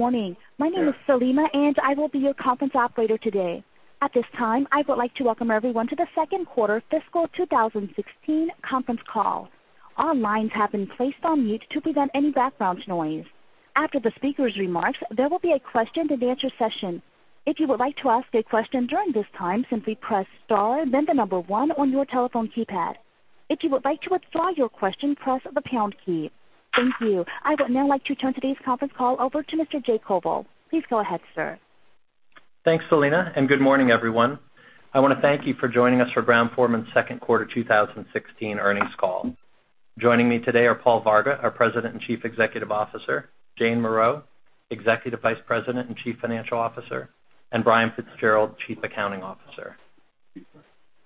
Good morning. My name is Selena, and I will be your conference operator today. At this time, I would like to welcome everyone to the second quarter fiscal 2016 conference call. All lines have been placed on mute to prevent any background noise. After the speaker's remarks, there will be a question-and-answer session. If you would like to ask a question during this time, simply press star then the number one on your telephone keypad. If you would like to withdraw your question, press the pound key. Thank you. I would now like to turn today's conference call over to Mr. Jay Koval. Please go ahead, sir. Thanks, Selena, and good morning, everyone. I want to thank you for joining us for Brown-Forman's second quarter 2016 earnings call. Joining me today are Paul Varga, our President and Chief Executive Officer, Jane Morreau, Executive Vice President and Chief Financial Officer, and Brian Fitzgerald, Chief Accounting Officer.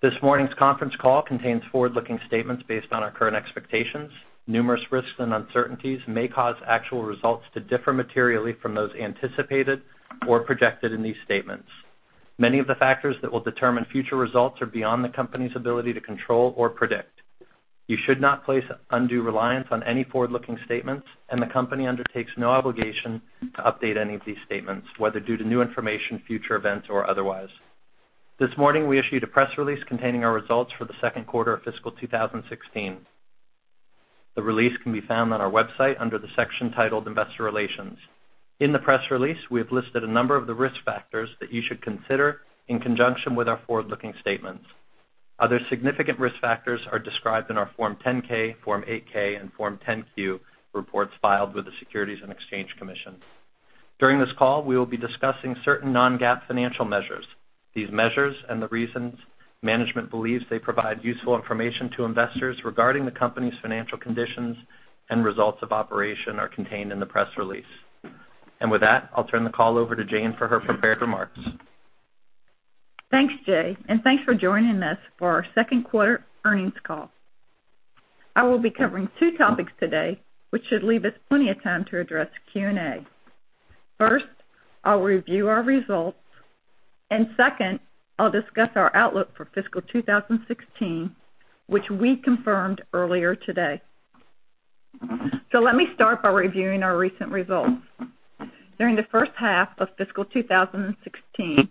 This morning's conference call contains forward-looking statements based on our current expectations. Numerous risks and uncertainties may cause actual results to differ materially from those anticipated or projected in these statements. Many of the factors that will determine future results are beyond the company's ability to control or predict. You should not place undue reliance on any forward-looking statements, and the company undertakes no obligation to update any of these statements, whether due to new information, future events, or otherwise. This morning, we issued a press release containing our results for the second quarter of fiscal 2016. The release can be found on our website under the section titled Investor Relations. In the press release, we have listed a number of the risk factors that you should consider in conjunction with our forward-looking statements. Other significant risk factors are described in our Form 10-K, Form 8-K, and Form 10-Q reports filed with the Securities and Exchange Commission. During this call, we will be discussing certain non-GAAP financial measures. These measures and the reasons management believes they provide useful information to investors regarding the company's financial conditions and results of operation are contained in the press release. And with that, I'll turn the call over to Jane for her prepared remarks. Thanks, Jay, and thanks for joining us for our second quarter earnings call. I will be covering two topics today, which should leave us plenty of time to address Q&A. First, I'll review our results, and second, I'll discuss our outlook for fiscal 2016, which we confirmed earlier today. So let me start by reviewing our recent results. During the first half of fiscal 2016,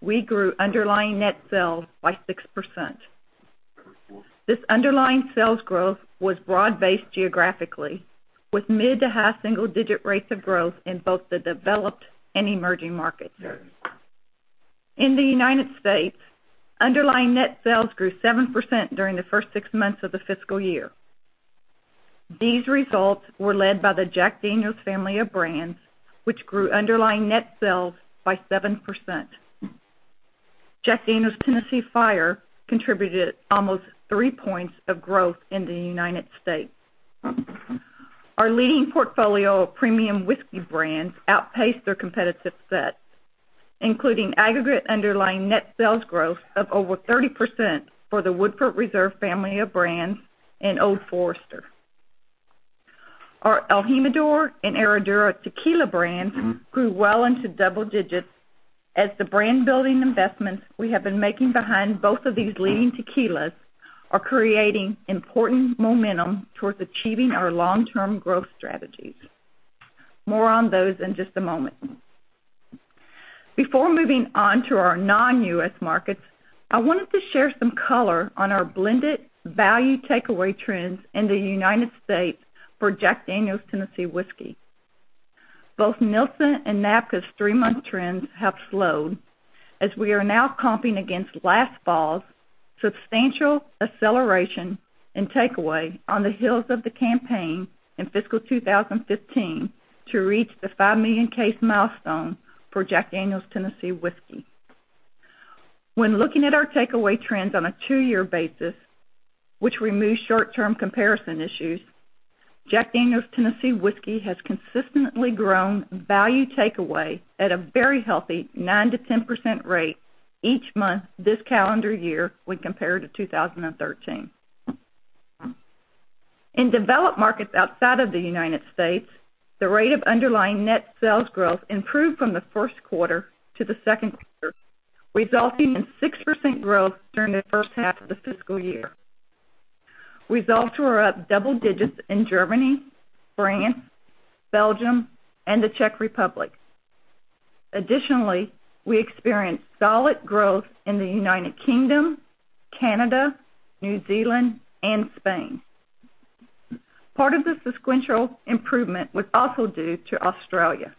we grew underlying net sales by 6%. This underlying sales growth was broad-based geographically, with mid to high single-digit rates of growth in both the developed and emerging markets. In the United States, underlying net sales grew 7% during the first six months of the fiscal year. These results were led by the Jack Daniel's family of brands, which grew underlying net sales by 7%. Jack Daniel's Tennessee Fire contributed almost three points of growth in the United States. Our leading portfolio of premium whiskey brands outpaced their competitive set, including aggregate underlying net sales growth of over 30% for the Woodford Reserve family of brands and Old Forester. Our el Jimador and Herradura tequila brands grew well into double digits as the brand-building investments we have been making behind both of these leading tequilas are creating important momentum towards achieving our long-term growth strategies. More on those in just a moment. Before moving on to our non-U.S. markets, I wanted to share some color on our blended value takeaway trends in the United States for Jack Daniel's Tennessee Whiskey. Both Nielsen and NABCA's three-month trends have slowed, as we are now comping against last fall's substantial acceleration in takeaway on the heels of the campaign in fiscal 2015 to reach the 5 million case milestone for Jack Daniel's Tennessee Whiskey. When looking at our takeaway trends on a two-year basis, which removes short-term comparison issues, Jack Daniel's Tennessee Whiskey has consistently grown value takeaway at a very healthy 9% to 10% rate each month this calendar year when compared to 2013. In developed markets outside of the United States, the rate of underlying net sales growth improved from the first quarter to the second quarter, resulting in 6% growth during the first half of the fiscal year. Results were up double digits in Germany, France, Belgium, and the Czech Republic. Additionally, we experienced solid growth in the U.K., Canada, New Zealand, and Spain. Part of the sequential improvement was also due to Australia,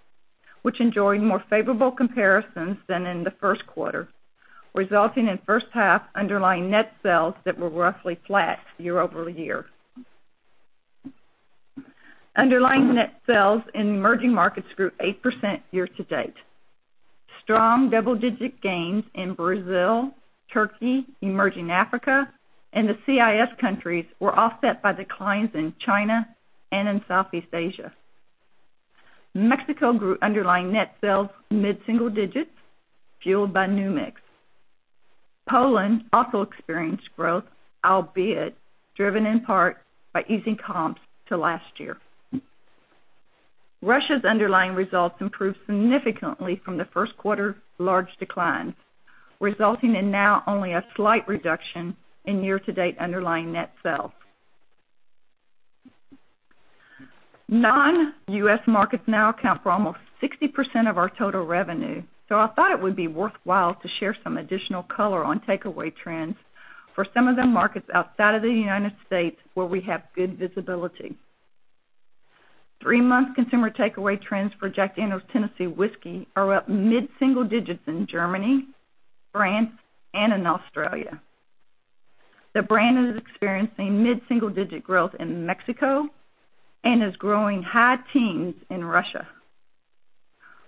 which enjoyed more favorable comparisons than in the first quarter, resulting in first half underlying net sales that were roughly flat year-over-year. Underlying net sales in emerging markets grew 8% year to date. Strong double-digit gains in Brazil, Turkey, emerging Africa, and the CIS countries were offset by declines in China and in Southeast Asia. Mexico grew underlying net sales mid-single digits, fueled by New Mix. Poland also experienced growth, albeit driven in part by easing comps to last year. Russia's underlying results improved significantly from the first quarter large decline, resulting in now only a slight reduction in year-to-date underlying net sales. Non-U.S. markets now account for almost 60% of our total revenue. I thought it would be worthwhile to share some additional color on takeaway trends for some of the markets outside of the United States where we have good visibility. Three-month consumer takeaway trends for Jack Daniel's Tennessee Whiskey are up mid-single digits in Germany, France, and in Australia. The brand is experiencing mid-single-digit growth in Mexico and is growing high teens in Russia.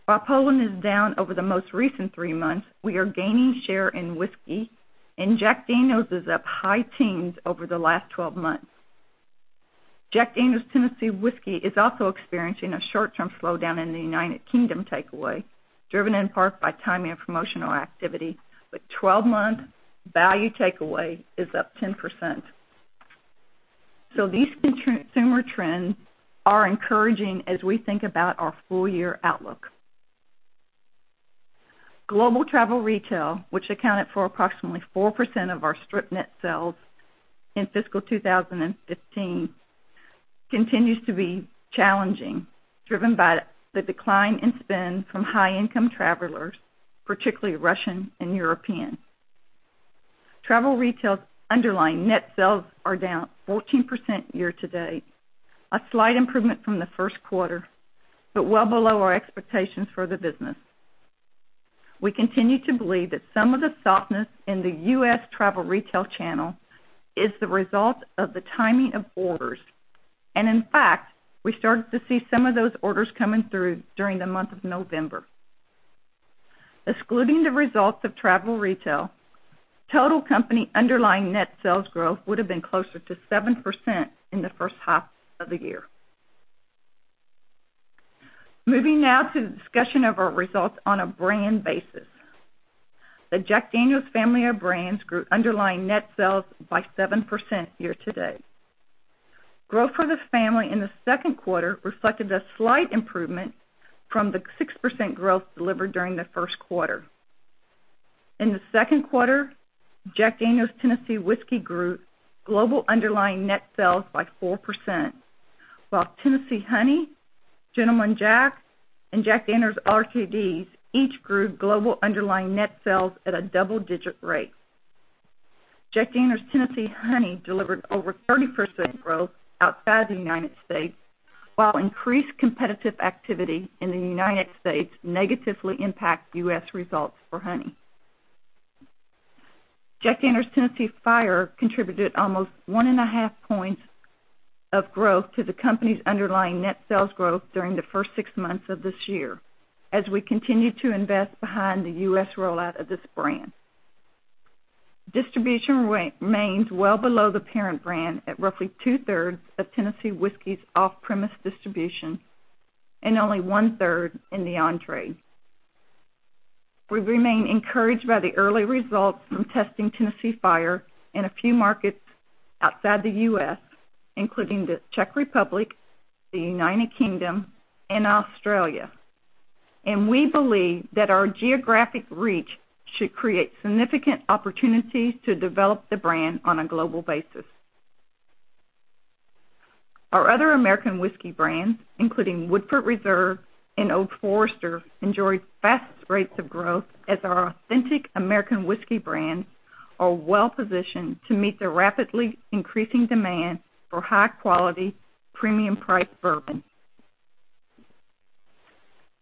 While Poland is down over the most recent three months, we are gaining share in whiskey, Jack Daniel's is up high teens over the last 12 months. Jack Daniel's Tennessee Whiskey is also experiencing a short-term slowdown in the U.K. takeaway, driven in part by timing of promotional activity, 12-month value takeaway is up 10%. These consumer trends are encouraging as we think about our full-year outlook. Global travel retail, which accounted for approximately 4% of our strip net sales in fiscal 2015, continues to be challenging, driven by the decline in spend from high income travelers, particularly Russian and European. Travel retail underlying net sales are down 14% year-to-date, a slight improvement from the first quarter, well below our expectations for the business. We continue to believe that some of the softness in the U.S. travel retail channel is the result of the timing of orders. In fact, we started to see some of those orders coming through during the month of November. Excluding the results of travel retail, total company underlying net sales growth would have been closer to 7% in the first half of the year. Moving now to the discussion of our results on a brand basis. The Jack Daniel's family of brands grew underlying net sales by 7% year-to-date. Growth for the family in the second quarter reflected a slight improvement from the 6% growth delivered during the first quarter. In the second quarter, Jack Daniel's Tennessee Whiskey grew global underlying net sales by 4%, while Tennessee Honey, Gentleman Jack, and Jack Daniel's RTDs each grew global underlying net sales at a double-digit rate. Jack Daniel's Tennessee Honey delivered over 30% growth outside the United States, while increased competitive activity in the United States negatively impacted U.S. results for Honey. Jack Daniel's Tennessee Fire contributed almost one and a half points of growth to the company's underlying net sales growth during the first six months of this year, as we continued to invest behind the U.S. rollout of this brand. Distribution remains well below the parent brand at roughly two-thirds of Tennessee Whiskey's off-premise distribution and only one-third in the on-trade. We remain encouraged by the early results from testing Tennessee Fire in a few markets outside the U.S., including the Czech Republic, the United Kingdom, and Australia. We believe that our geographic reach should create significant opportunities to develop the brand on a global basis. Our other American whiskey brands, including Woodford Reserve and Old Forester, enjoyed fastest rates of growth as our authentic American whiskey brands are well-positioned to meet the rapidly increasing demand for high-quality, premium priced bourbon.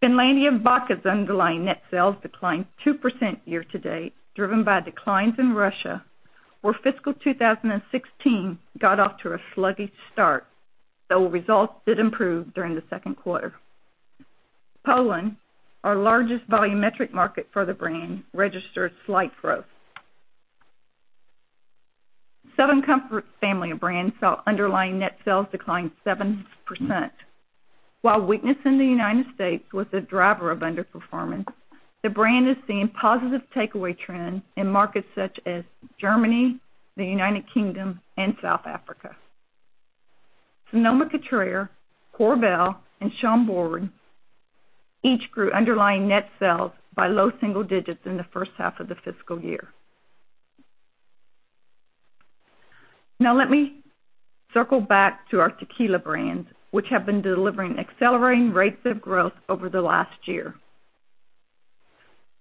Finlandia Vodka's underlying net sales declined 2% year-to-date, driven by declines in Russia, where fiscal 2016 got off to a sluggish start, though results did improve during the second quarter. Poland, our largest volumetric market for the brand, registered slight growth. Southern Comfort's family of brands saw underlying net sales decline 7%. While weakness in the United States was the driver of underperformance, the brand is seeing positive takeaway trends in markets such as Germany, the United Kingdom, and South Africa. Sonoma-Cutrer, Korbel, and Chambord each grew underlying net sales by low single digits in the first half of the fiscal year. Now let me circle back to our tequila brands, which have been delivering accelerating rates of growth over the last year.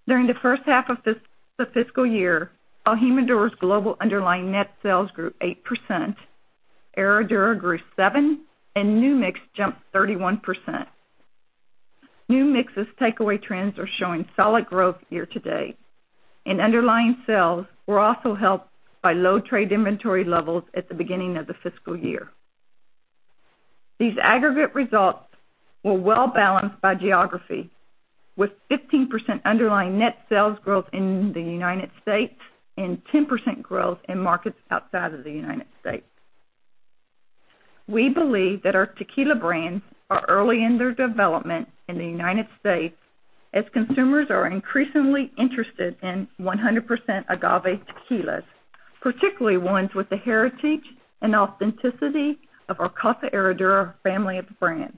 During the first half of the fiscal year, el Jimador's global underlying net sales grew 8%, Herradura grew 7%, and New Mix jumped 31%. New Mix's takeaway trends are showing solid growth year-to-date, and underlying sales were also helped by low trade inventory levels at the beginning of the fiscal year. These aggregate results were well-balanced by geography, with 15% underlying net sales growth in the United States and 10% growth in markets outside of the United States. We believe that our tequila brands are early in their development in the United States, as consumers are increasingly interested in 100% agave tequilas, particularly ones with the heritage and authenticity of our Casa Herradura family of brands.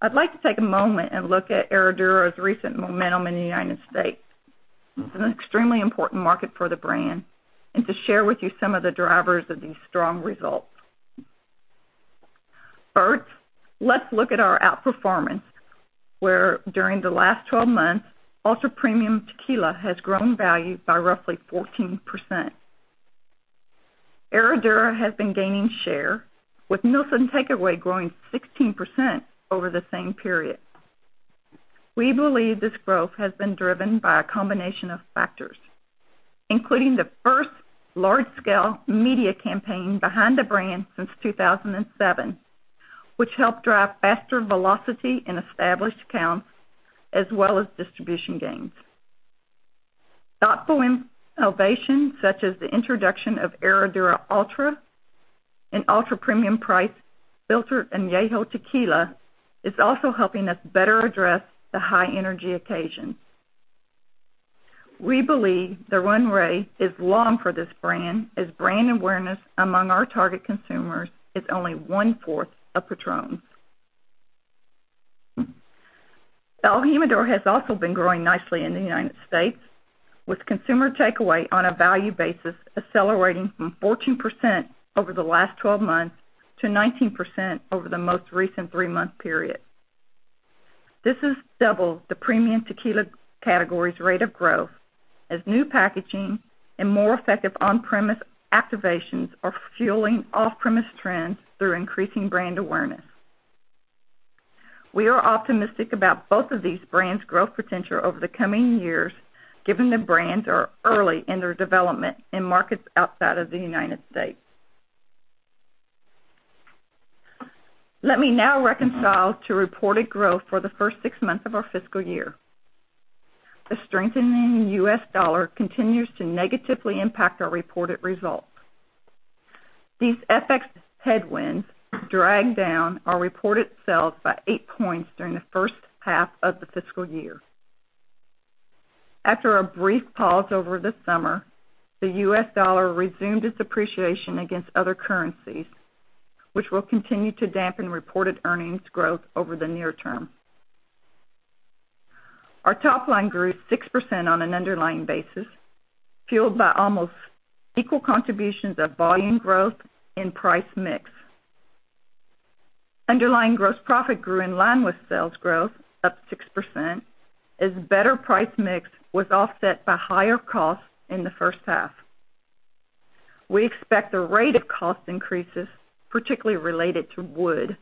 I'd like to take a moment and look at Herradura's recent momentum in the United States, it's an extremely important market for the brand, and to share with you some of the drivers of these strong results. First, let's look at our outperformance, where during the last 12 months, ultra-premium tequila has grown value by roughly 14%. Herradura has been gaining share, with Nielsen takeaway growing 16% over the same period. We believe this growth has been driven by a combination of factors, including the first large-scale media campaign behind the brand since 2007, which helped drive faster velocity in established accounts as well as distribution gains. Thoughtful innovation, such as the introduction of Herradura Ultra, an ultra-premium price, filtered añejo tequila, is also helping us better address the high-energy occasion. We believe the runway is long for this brand, as brand awareness among our target consumers is only one-fourth of Patrón's. el Jimador has also been growing nicely in the United States, with consumer takeaway on a value basis accelerating from 14% over the last 12 months to 19% over the most recent three-month period. This is double the premium tequila category's rate of growth, as new packaging and more effective on-premise activations are fueling off-premise trends through increasing brand awareness. We are optimistic about both of these brands' growth potential over the coming years, given the brands are early in their development in markets outside of the United States. Let me now reconcile to reported growth for the first six months of our fiscal year. The strengthening U.S. dollar continues to negatively impact our reported results. These FX headwinds dragged down our reported sales by 8 points during the first half of the fiscal year. After a brief pause over the summer, the U.S. dollar resumed its appreciation against other currencies, which will continue to dampen reported earnings growth over the near term. Our top line grew 6% on an underlying basis, fueled by almost equal contributions of volume growth and price mix. Underlying gross profit grew in line with sales growth, up 6%, as better price mix was offset by higher costs in the first half. We expect the rate of cost increases, particularly related to wood,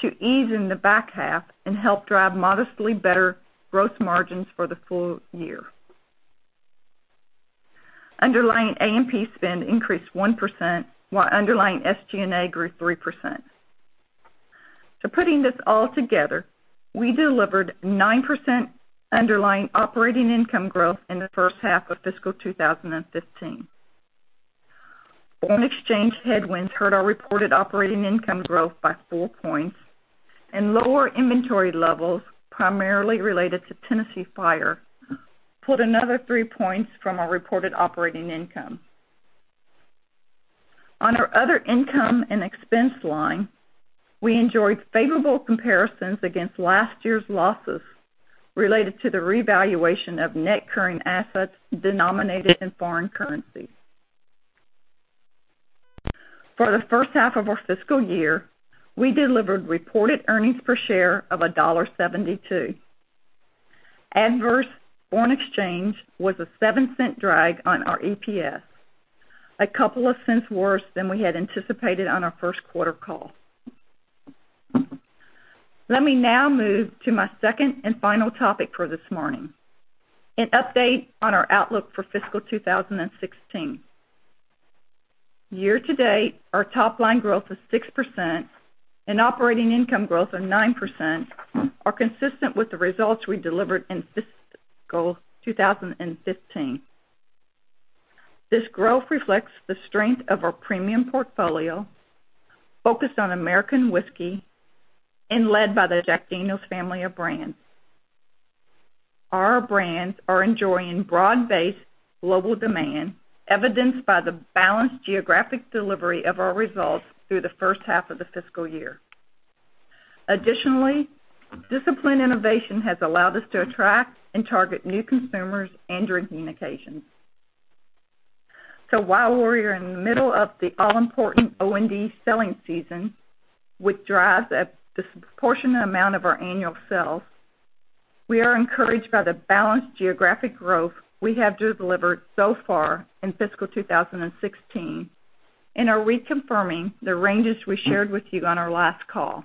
to ease in the back half and help drive modestly better gross margins for the full year. Underlying A&P spend increased 1%, while underlying SG&A grew 3%. Putting this all together, we delivered 9% underlying operating income growth in the first half of fiscal 2015. Foreign exchange headwinds hurt our reported operating income growth by 4 points, and lower inventory levels, primarily related to Tennessee Fire, pulled another 3 points from our reported operating income. On our other income and expense line, we enjoyed favorable comparisons against last year's losses related to the revaluation of net current assets denominated in foreign currency. For the first half of our fiscal year, we delivered reported earnings per share of $1.72. Adverse foreign exchange was a $0.07 drag on our EPS, a couple of $0.01 worse than we had anticipated on our first quarter call. Let me now move to my second and final topic for this morning, an update on our outlook for FY 2016. Year to date, our top line growth of 6% and operating income growth of 9% are consistent with the results we delivered in FY 2015. This growth reflects the strength of our premium portfolio, focused on American whiskey, and led by the Jack Daniel's family of brands. Our brands are enjoying broad-based global demand, evidenced by the balanced geographic delivery of our results through the first half of the fiscal year. Additionally, disciplined innovation has allowed us to attract and target new consumers and drinking occasions. While we are in the middle of the all-important OND selling season, which drives a disproportionate amount of our annual sales, we are encouraged by the balanced geographic growth we have delivered so far in fiscal 2016 and are reconfirming the ranges we shared with you on our last call,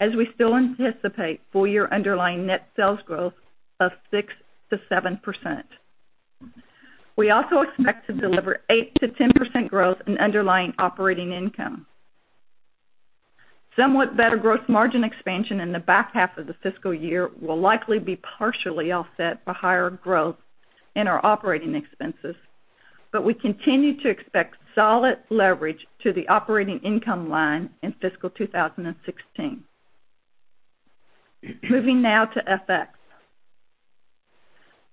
as we still anticipate full-year underlying net sales growth of 6%-7%. We also expect to deliver 8%-10% growth in underlying operating income. Somewhat better gross margin expansion in the back half of the fiscal year will likely be partially offset by higher growth in our operating expenses. We continue to expect solid leverage to the operating income line in fiscal 2016. Moving now to FX.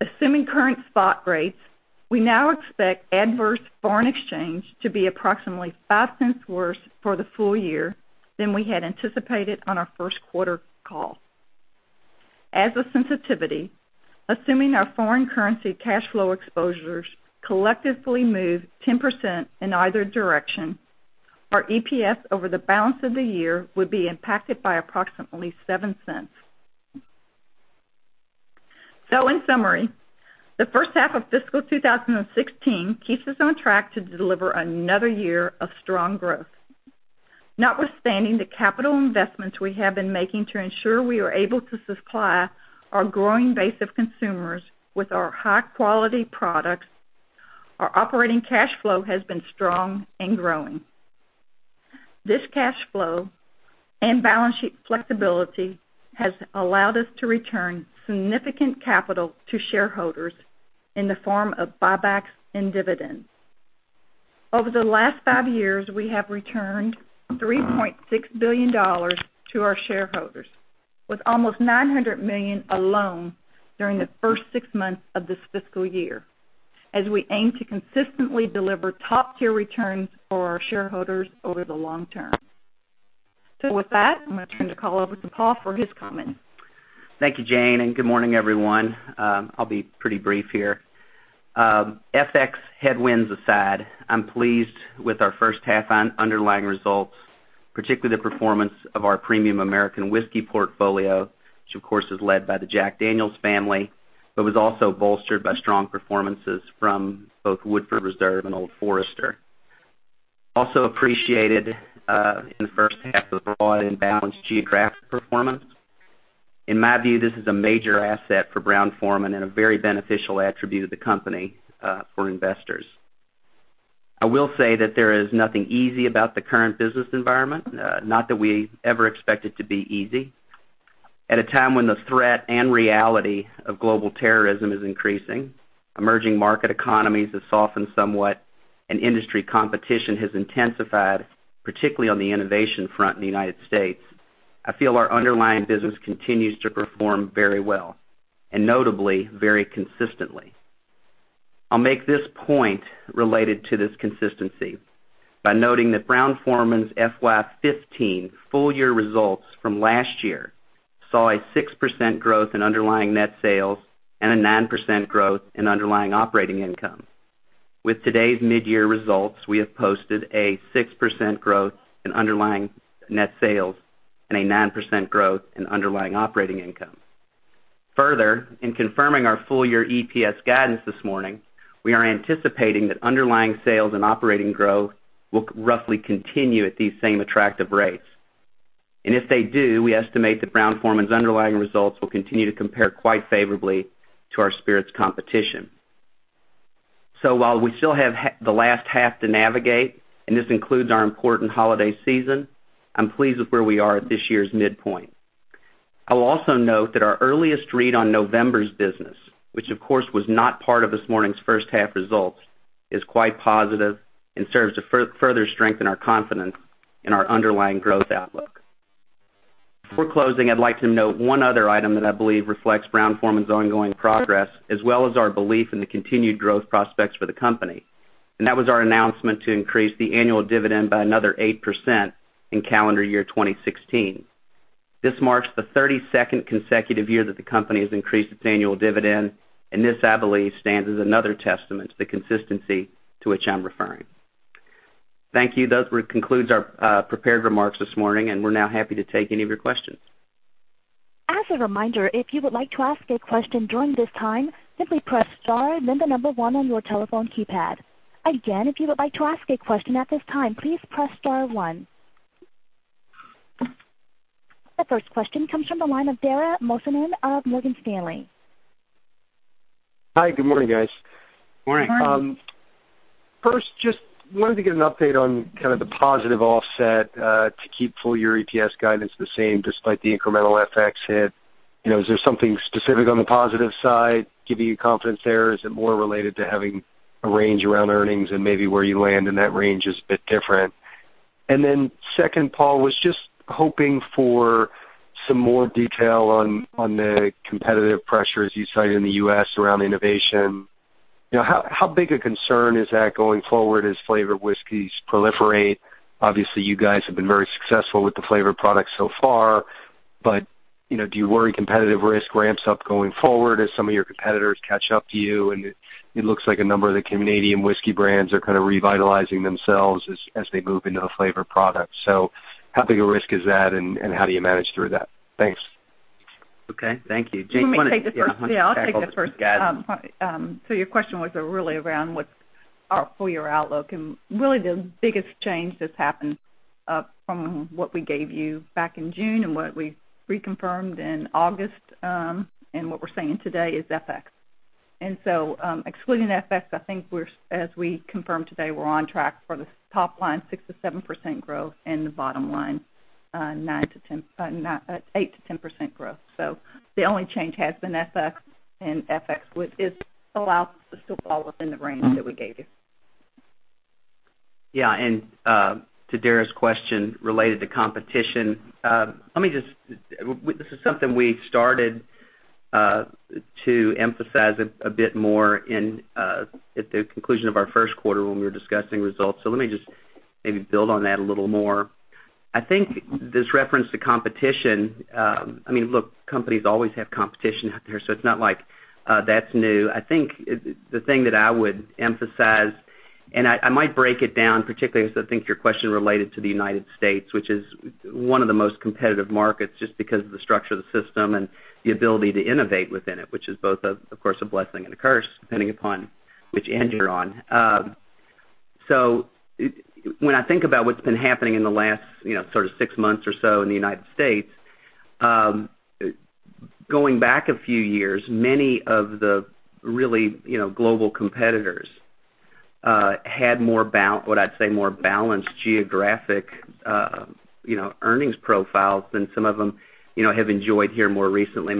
Assuming current spot rates, we now expect adverse foreign exchange to be approximately $0.05 worse for the full year than we had anticipated on our first quarter call. As a sensitivity, assuming our foreign currency cash flow exposures collectively move 10% in either direction, our EPS over the balance of the year would be impacted by approximately $0.07. In summary, the first half of fiscal 2016 keeps us on track to deliver another year of strong growth. Notwithstanding the capital investments we have been making to ensure we are able to supply our growing base of consumers with our high-quality products, our operating cash flow has been strong and growing. This cash flow and balance sheet flexibility has allowed us to return significant capital to shareholders in the form of buybacks and dividends. Over the last five years, we have returned $3.6 billion to our shareholders, with almost $900 million alone during the first six months of this fiscal year, as we aim to consistently deliver top-tier returns for our shareholders over the long term. With that, I'm going to turn the call over to Paul for his comments. Thank you, Jane, and good morning, everyone. I'll be pretty brief here. FX headwinds aside, I'm pleased with our first half underlying results, particularly the performance of our premium American whiskey portfolio, which of course is led by the Jack Daniel's family, but was also bolstered by strong performances from both Woodford Reserve and Old Forester. Also appreciated in the first half was broad and balanced geographic performance. In my view, this is a major asset for Brown-Forman and a very beneficial attribute of the company for investors. I will say that there is nothing easy about the current business environment, not that we ever expect it to be easy. At a time when the threat and reality of global terrorism is increasing, emerging market economies have softened somewhat, and industry competition has intensified, particularly on the innovation front in the United States. I feel our underlying business continues to perform very well, and notably, very consistently. I'll make this point related to this consistency by noting that Brown-Forman's FY 2015 full-year results from last year saw a 6% growth in underlying net sales and a 9% growth in underlying operating income. With today's mid-year results, we have posted a 6% growth in underlying net sales and a 9% growth in underlying operating income. Further, in confirming our full-year EPS guidance this morning, we are anticipating that underlying sales and operating growth will roughly continue at these same attractive rates. If they do, we estimate that Brown-Forman's underlying results will continue to compare quite favorably to our spirits competition. While we still have the last half to navigate, and this includes our important holiday season, I'm pleased with where we are at this year's midpoint. I'll also note that our earliest read on November's business, which of course was not part of this morning's first half results, is quite positive and serves to further strengthen our confidence in our underlying growth outlook. Before closing, I'd like to note one other item that I believe reflects Brown-Forman's ongoing progress, as well as our belief in the continued growth prospects for the company, and that was our announcement to increase the annual dividend by another 8% in calendar year 2016. This marks the 32nd consecutive year that the company has increased its annual dividend, and this, I believe, stands as another testament to the consistency to which I'm referring. Thank you. That concludes our prepared remarks this morning. We're now happy to take any of your questions. As a reminder, if you would like to ask a question during this time, simply press star then the number 1 on your telephone keypad. Again, if you would like to ask a question at this time, please press star 1. The first question comes from the line of Dara Mohsenian of Morgan Stanley. Hi, good morning, guys. Morning. Morning. Just wanted to get an update on kind of the positive offset to keep full-year EPS guidance the same despite the incremental FX hit. Is there something specific on the positive side giving you confidence there? Is it more related to having a range around earnings and maybe where you land in that range is a bit different? Second, Paul, was just hoping for some more detail on the competitive pressures you cited in the U.S. around innovation. How big a concern is that going forward as flavored whiskeys proliferate? Obviously, you guys have been very successful with the flavored products so far, but do you worry competitive risk ramps up going forward as some of your competitors catch up to you? It looks like a number of the Canadian whiskey brands are kind of revitalizing themselves as they move into the flavored products. How big a risk is that, and how do you manage through that? Thanks. Okay, thank you. Jane, why don't. Let me take this first. Yeah. Yeah, I'll take the first. Back over to Jane. Your question was really around what's our full-year outlook, and really the biggest change that's happened from what we gave you back in June and what we reconfirmed in August, and what we're saying today is FX. Excluding FX, I think as we confirmed today, we're on track for the top line 6%-7% growth and the bottom line 8%-10% growth. The only change has been FX, and FX is still out, but still fall within the range that we gave you. Yeah. To Dara's question related to competition, this is something we started to emphasize a bit more at the conclusion of our first quarter when we were discussing results. Let me just maybe build on that a little more. I think this reference to competition, look, companies always have competition out there, so it's not like that's new. I think the thing that I would emphasize, and I might break it down particularly, because I think your question related to the United States, which is one of the most competitive markets, just because of the structure of the system and the ability to innovate within it, which is both, of course, a blessing and a curse, depending upon which end you're on. When I think about what's been happening in the last six months or so in the U.S., going back 4 or 5 years ago, many of the really global competitors had, what I'd say, more balanced geographic earnings profiles than some of them have enjoyed here more recently. A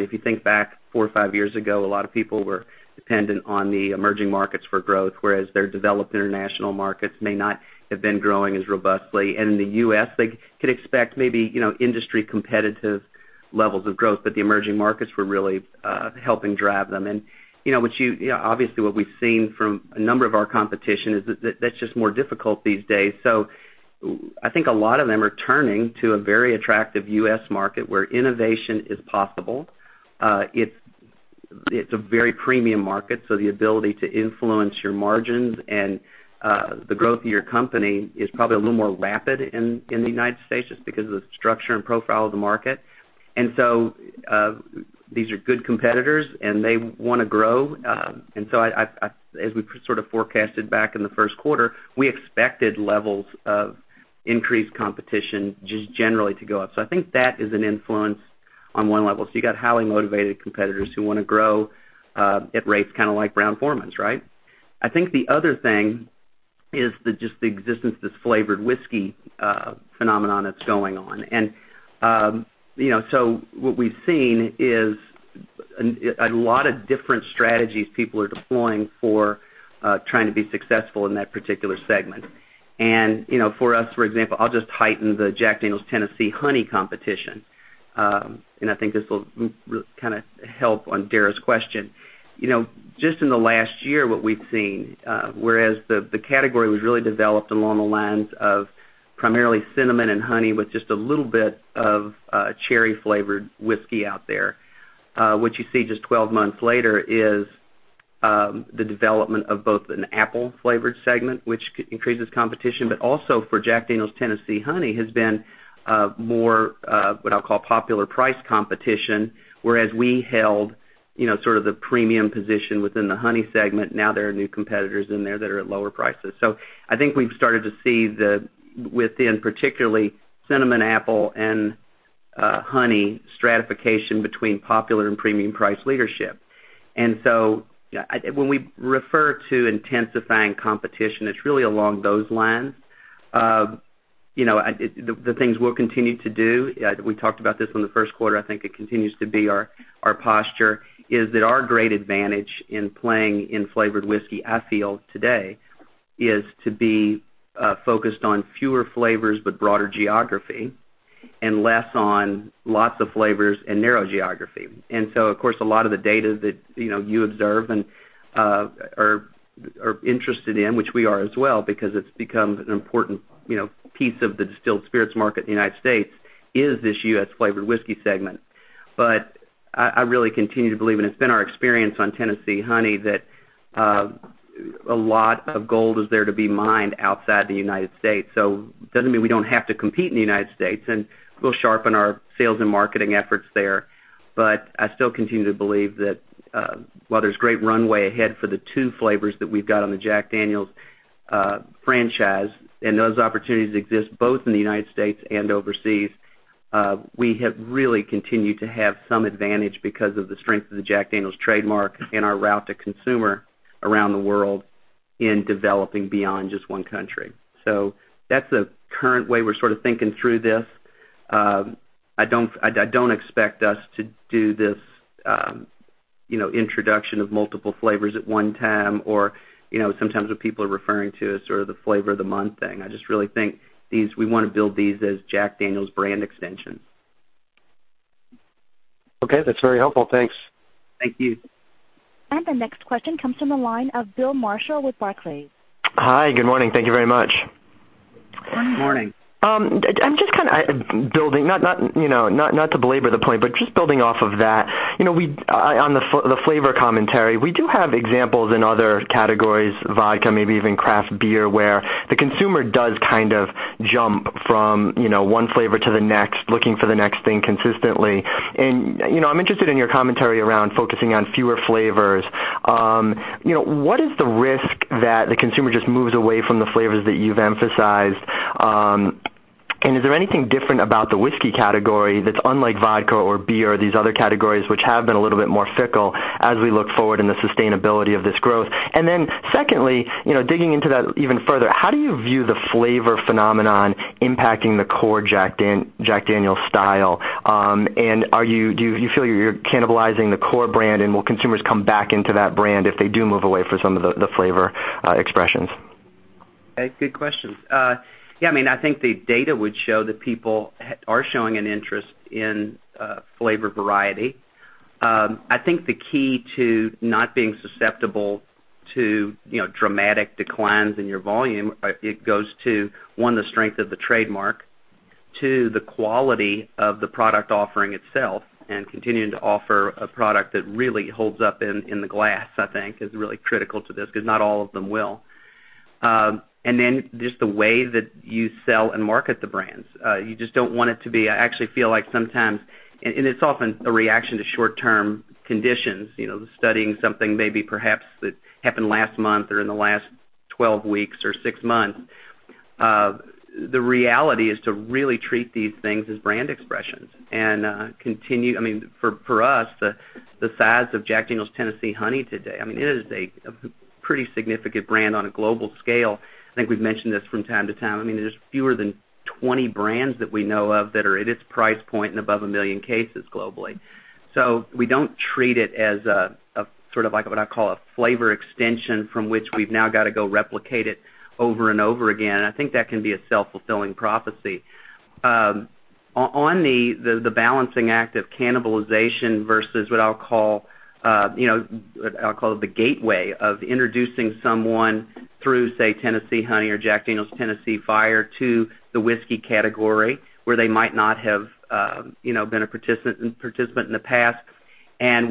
lot of people were dependent on the emerging markets for growth, whereas their developed international markets may not have been growing as robustly. In the U.S., they could expect maybe industry competitive levels of growth, but the emerging markets were really helping drive them. Obviously, what we've seen from a number of our competition is that that's just more difficult these days. I think a lot of them are turning to a very attractive U.S. market where innovation is possible. It's a very premium market, the ability to influence your margins and the growth of your company is probably a little more rapid in the U.S., just because of the structure and profile of the market. These are good competitors, and they want to grow. As we sort of forecasted back in the first quarter, we expected levels of increased competition just generally to go up. I think that is an influence on one level. You've got highly motivated competitors who want to grow at rates kind of like Brown-Forman's, right? I think the other thing is just the existence of this flavored whiskey phenomenon that's going on. What we've seen is a lot of different strategies people are deploying for trying to be successful in that particular segment. For us, for example, I'll just heighten the Jack Daniel's Tennessee Honey competition. I think this will kind of help on Dara's question. Just in the last year, what we've seen, whereas the category was really developed along the lines of primarily cinnamon and honey with just a little bit of cherry flavored whiskey out there. What you see just 12 months later is the development of both an apple flavored segment, which increases competition, but also for Jack Daniel's Tennessee Honey, has been more, what I'll call, popular price competition, whereas we held sort of the premium position within the honey segment. Now there are new competitors in there that are at lower prices. I think we've started to see within, particularly cinnamon, apple, and honey, stratification between popular and premium price leadership. When we refer to intensifying competition, it's really along those lines. The things we'll continue to do, we talked about this in the first quarter, I think it continues to be our posture, is that our great advantage in playing in flavored whiskey, I feel today, is to be focused on fewer flavors, but broader geography, and less on lots of flavors and narrow geography. Of course, a lot of the data that you observe and are interested in, which we are as well, because it's become an important piece of the distilled spirits market in the U.S., is this U.S. flavored whiskey segment. I really continue to believe, and it's been our experience on Tennessee Honey, that a lot of gold is there to be mined outside the U.S. It doesn't mean we don't have to compete in the U.S., and we'll sharpen our sales and marketing efforts there. I still continue to believe that while there's great runway ahead for the two flavors that we've got on the Jack Daniel's franchise, and those opportunities exist both in the U.S. and overseas, we have really continued to have some advantage because of the strength of the Jack Daniel's trademark and our route to consumer around the world in developing beyond just one country. That's the current way we're sort of thinking through this. I don't expect us to do this introduction of multiple flavors at one time, or sometimes what people are referring to as sort of the flavor of the month thing. I just really think we want to build these as Jack Daniel's brand extensions. Okay. That's very helpful. Thanks. Thank you. The next question comes from the line of Bill Marshall with Barclays. Hi. Good morning. Thank you very much. Good morning. I'm just kind of building, not to belabor the point, but just building off of that. On the flavor commentary, we do have examples in other categories, vodka, maybe even craft beer, where the consumer does kind of jump from one flavor to the next, looking for the next thing consistently. I'm interested in your commentary around focusing on fewer flavors. What is the risk that the consumer just moves away from the flavors that you've emphasized? Is there anything different about the whiskey category that's unlike vodka or beer or these other categories which have been a little bit more fickle as we look forward in the sustainability of this growth? Secondly, digging into that even further, how do you view the flavor phenomenon impacting the core Jack Daniel's style? Do you feel you're cannibalizing the core brand, and will consumers come back into that brand if they do move away for some of the flavor expressions? Okay, good questions. Yeah, I think the data would show that people are showing an interest in flavor variety. I think the key to not being susceptible to dramatic declines in your volume, it goes to, one, the strength of the trademark, two, the quality of the product offering itself, and continuing to offer a product that really holds up in the glass, I think, is really critical to this, because not all of them will. Just the way that you sell and market the brands. I actually feel like sometimes, and it is often a reaction to short-term conditions, studying something maybe perhaps that happened last month or in the last 12 weeks or six months. The reality is to really treat these things as brand expressions and continue. For us, the size of Jack Daniel's Tennessee Honey today, it is a pretty significant brand on a global scale. I think we've mentioned this from time to time. There's fewer than 20 brands that we know of that are at its price point and above a million cases globally. We don't treat it as a sort of like what I'll call a flavor extension from which we've now got to go replicate it over and over again. I think that can be a self-fulfilling prophecy. On the balancing act of cannibalization versus what I'll call the gateway of introducing someone through, say, Tennessee Honey or Jack Daniel's Tennessee Fire to the whiskey category, where they might not have been a participant in the past.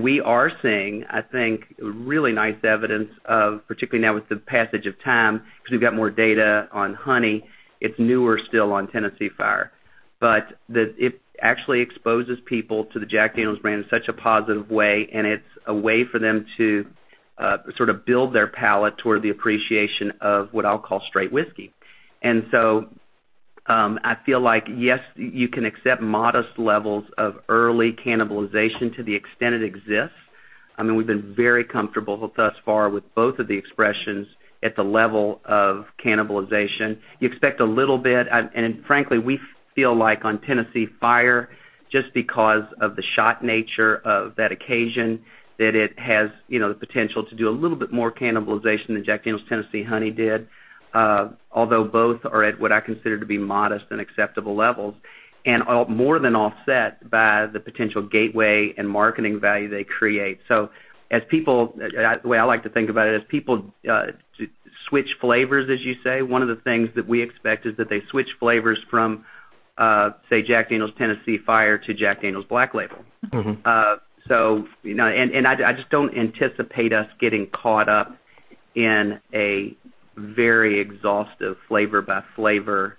We are seeing, I think, really nice evidence of, particularly now with the passage of time, because we've got more data on Honey, it's newer still on Tennessee Fire. But it actually exposes people to the Jack Daniel's brand in such a positive way, and it's a way for them to sort of build their palate toward the appreciation of what I'll call straight whiskey. I feel like, yes, you can accept modest levels of early cannibalization to the extent it exists. We've been very comfortable thus far with both of the expressions at the level of cannibalization. You expect a little bit. Frankly, we feel like on Tennessee Fire, just because of the shot nature of that occasion, that it has the potential to do a little bit more cannibalization than Jack Daniel's Tennessee Honey did. Although both are at what I consider to be modest and acceptable levels, and more than offset by the potential gateway and marketing value they create. The way I like to think about it, as people switch flavors, as you say, one of the things that we expect is that they switch flavors from, say, Jack Daniel's Tennessee Fire to Jack Daniel's Black Label. I just don't anticipate us getting caught up in a very exhaustive flavor-by-flavor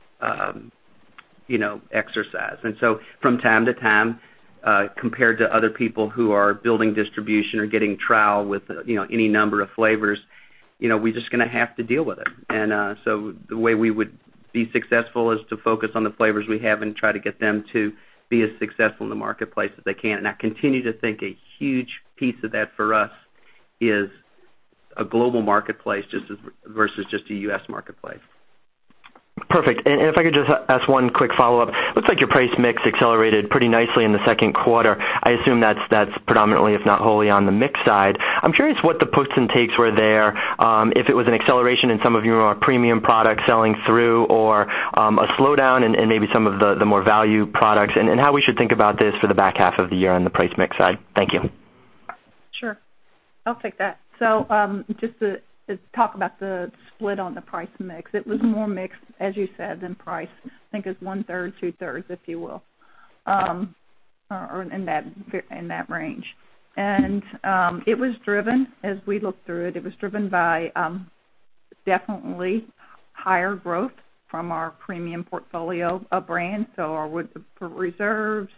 exercise. From time to time, compared to other people who are building distribution or getting trial with any number of flavors, we're just going to have to deal with it. The way we would be successful is to focus on the flavors we have and try to get them to be as successful in the marketplace as they can. I continue to think a huge piece of that for us is a global marketplace versus just a U.S. marketplace. Perfect. If I could just ask one quick follow-up. Looks like your price mix accelerated pretty nicely in the second quarter. I assume that's predominantly, if not wholly, on the mix side. I'm curious what the puts and takes were there, if it was an acceleration in some of your more premium products selling through, or a slowdown in maybe some of the more value products, and how we should think about this for the back half of the year on the price mix side. Thank you. Sure. I'll take that. Just to talk about the split on the price mix. It was more mix, as you said, than price. I think it's one-third, two-thirds, if you will, or in that range. It was driven, as we looked through it was driven by definitely higher growth from our premium portfolio of brands. With the reserves,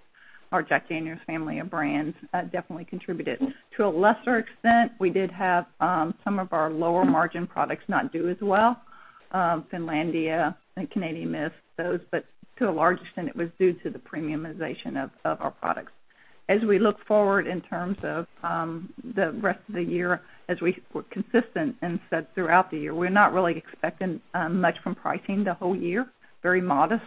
our Jack Daniel's family of brands definitely contributed. To a lesser extent, we did have some of our lower margin products not do as well. Finlandia and Canadian Mist, those, but to a large extent, it was due to the premiumization of our products. As we look forward in terms of the rest of the year, as we're consistent and said throughout the year, we're not really expecting much from pricing the whole year, very modest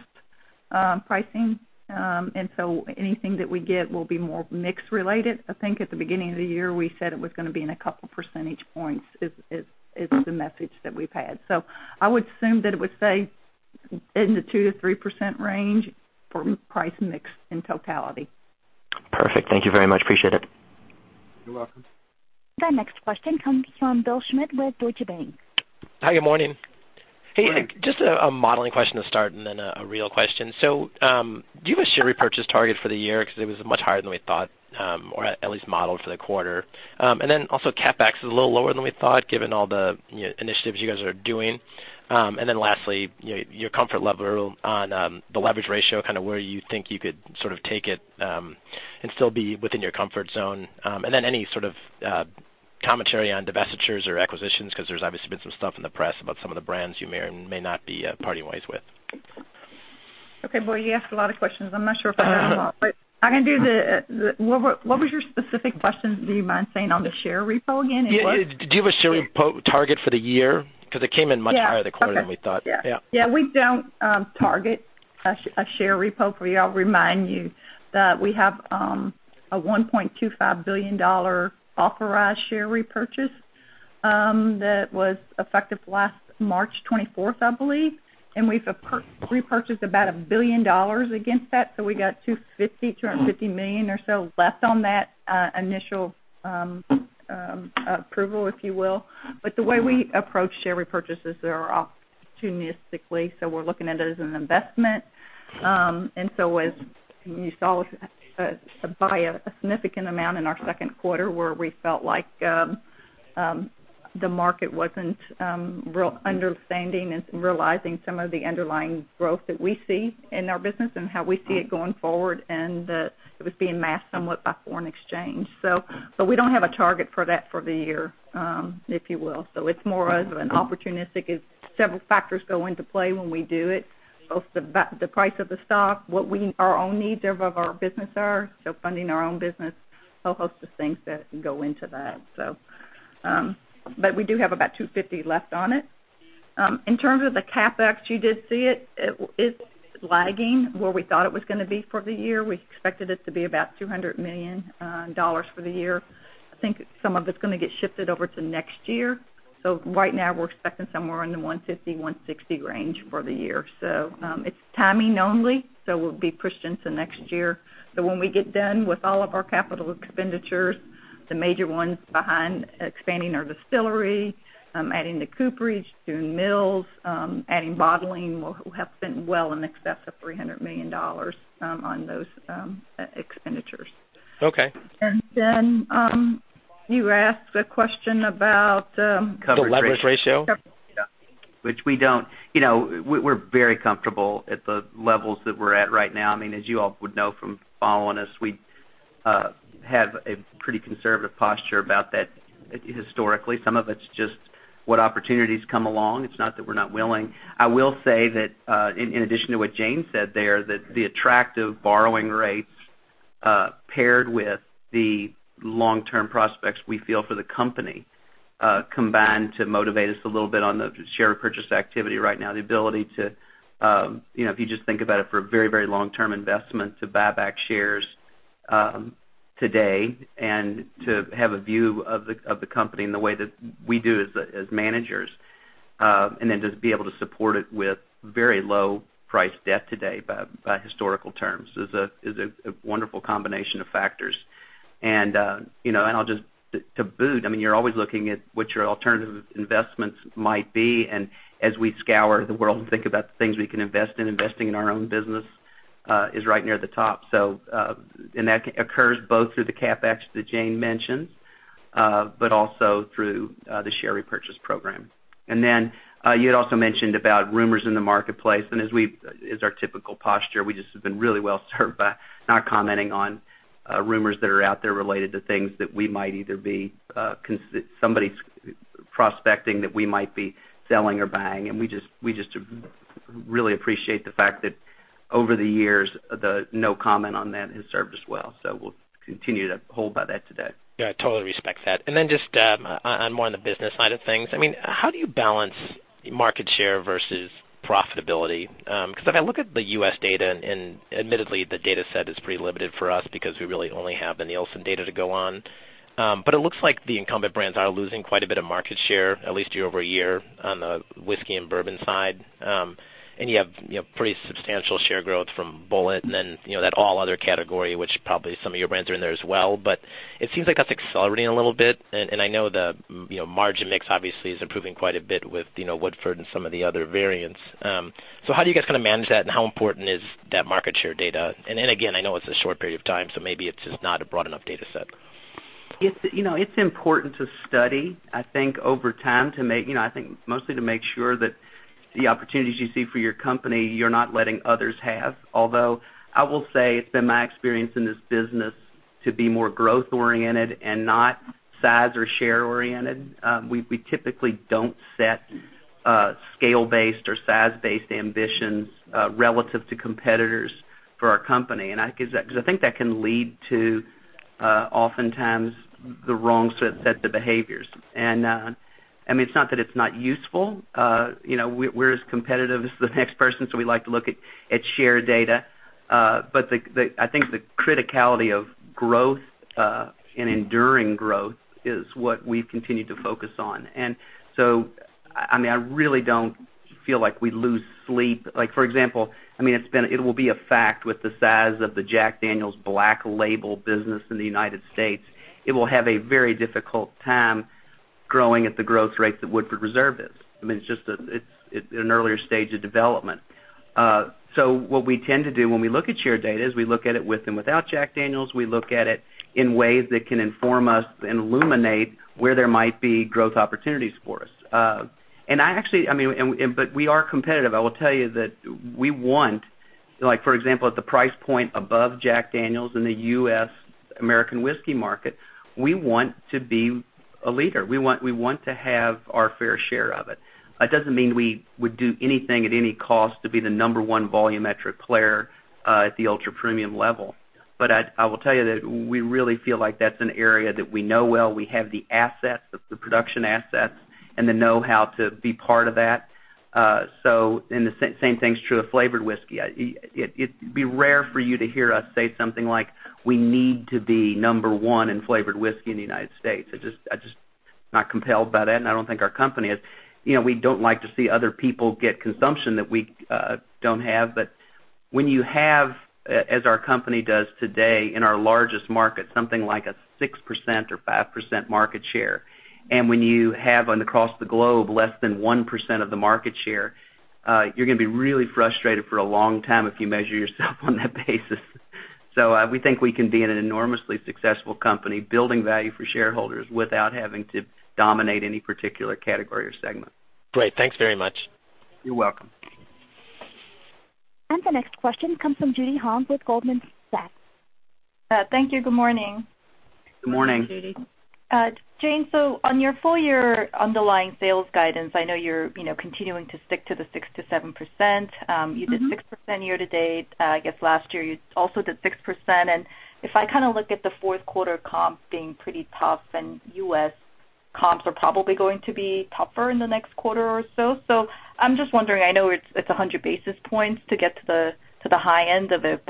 pricing. Anything that we get will be more mix related. I think at the beginning of the year, we said it was going to be in a couple percentage points, is the message that we've had. I would assume that it would stay in the 2%-3% range for price mix in totality. Perfect. Thank you very much. Appreciate it. You're welcome. The next question comes from Bill Schmitz with Deutsche Bank. Hi, good morning. Morning. Hey, just a modeling question to start, then a real question. Do you have a share repurchase target for the year? Because it was much higher than we thought, or at least modeled for the quarter. CapEx is a little lower than we thought, given all the initiatives you guys are doing. Lastly, your comfort level on the leverage ratio, kind of where you think you could sort of take it, and still be within your comfort zone. Any sort of commentary on divestitures or acquisitions, because there's obviously been some stuff in the press about some of the brands you may or may not be parting ways with. Okay, Bill, you asked a lot of questions. I'm not sure if I heard them all. What was your specific question? Do you mind saying on the share repo again? Yeah. Do you have a share repo target for the year? Because it came in much higher the quarter than we thought. Yeah. Yeah. We don't target a share repo. I'll remind you that we have a $1.25 billion authorized share repurchase. That was effective last March 24th, I believe. We've repurchased about $1 billion against that, so we got $250 million or so left on that initial approval, if you will. The way we approach share repurchases are opportunistically, so we're looking at it as an investment. As you saw, by a significant amount in our second quarter where we felt like the market wasn't real understanding and realizing some of the underlying growth that we see in our business and how we see it going forward, and it was being masked somewhat by foreign exchange. We don't have a target for that for the year, if you will. It's more of an opportunistic. It's several factors go into play when we do it, both the price of the stock, what our own needs of our business are, funding our own business, a whole host of things that go into that. We do have about $250 million left on it. In terms of the CapEx, you did see it. It's lagging where we thought it was going to be for the year. We expected it to be about $200 million for the year. I think some of it's going to get shifted over to next year. Right now, we're expecting somewhere in the $150 million-$160 million range for the year. It's timing only, we'll be pushed into next year. When we get done with all of our capital expenditures, the major ones behind expanding our distillery, adding to cooperage, doing mills, adding bottling will have been well in excess of $300 million on those expenditures. Okay. You asked a question about coverage ratio. The leverage ratio. We're very comfortable at the levels that we're at right now. As you all would know from following us, we have a pretty conservative posture about that historically. Some of it's just what opportunities come along. It's not that we're not willing. I will say that, in addition to what Jane said there, the attractive borrowing rates, paired with the long-term prospects we feel for the company, combine to motivate us a little bit on the share purchase activity right now. The ability to, if you just think about it for a very, very long-term investment, to buy back shares today and to have a view of the company in the way that we do as managers, then just be able to support it with very low price debt today by historical terms is a wonderful combination of factors. To boot, you're always looking at what your alternative investments might be. As we scour the world and think about the things we can invest in, investing in our own business is right near the top. That occurs both through the CapEx that Jane mentioned, but also through the share repurchase program. Then, you had also mentioned about rumors in the marketplace. As our typical posture, we just have been really well-served by not commenting on rumors that are out there related to things that somebody's prospecting that we might be selling or buying. We just really appreciate the fact that over the years, the no comment on that has served us well. We'll continue to hold by that today. Yeah, I totally respect that. Then just on more on the business side of things, how do you balance market share versus profitability? If I look at the U.S. data, admittedly, the data set is pretty limited for us because we really only have the Nielsen data to go on, it looks like the incumbent brands are losing quite a bit of market share, at least year-over-year on the whiskey and bourbon side. You have pretty substantial share growth from Bulleit, then that all other category, which probably some of your brands are in there as well. It seems like that's accelerating a little bit, and I know the margin mix obviously is improving quite a bit with Woodford and some of the other variants. How do you guys manage that, and how important is that market share data? Again, I know it's a short period of time, maybe it's just not a broad enough data set. It's important to study, I think, over time, I think mostly to make sure that the opportunities you see for your company, you're not letting others have. I will say it's been my experience in this business to be more growth-oriented and not size or share-oriented. We typically don't set scale-based or size-based ambitions relative to competitors for our company, because I think that can lead to oftentimes the wrong set of behaviors. It's not that it's not useful. We're as competitive as the next person, so we like to look at share data. I think the criticality of growth and enduring growth is what we've continued to focus on. I really don't feel like we lose sleep. For example, it will be a fact with the size of the Jack Daniel's Black Label business in the U.S., it will have a very difficult time growing at the growth rate that Woodford Reserve is. It's in an earlier stage of development. What we tend to do when we look at share data is we look at it with and without Jack Daniel's. We look at it in ways that can inform us and illuminate where there might be growth opportunities for us. We are competitive. I will tell you that we want, for example, at the price point above Jack Daniel's in the U.S. American whiskey market, we want to be a leader. We want to have our fair share of it. That doesn't mean we would do anything at any cost to be the number one volumetric player at the ultra-premium level. I will tell you that we really feel like that's an area that we know well. We have the assets, the production assets and the know-how to be part of that. The same thing's true of flavored whiskey. It'd be rare for you to hear us say something like, "We need to be number one in flavored whiskey in the U.S." I'm just not compelled by that, and I don't think our company is. We don't like to see other people get consumption that we don't have. When you have, as our company does today in our largest market, something like a 6% or 5% market share, and when you have across the globe less than 1% of the market share, you're going to be really frustrated for a long time if you measure yourself on that basis. We think we can be an enormously successful company, building value for shareholders without having to dominate any particular category or segment. Great. Thanks very much. You're welcome. The next question comes from Judy Hong with Goldman Sachs. Thank you. Good morning. Good morning. Good morning, Judy. Jane, on your full-year underlying sales guidance, I know you're continuing to stick to the 6%-7%. You did 6% year to date. I guess last year you also did 6%. If I look at the fourth quarter comps being pretty tough, U.S. comps are probably going to be tougher in the next quarter or so. I'm just wondering, I know it's 100 basis points to get to the high end of it,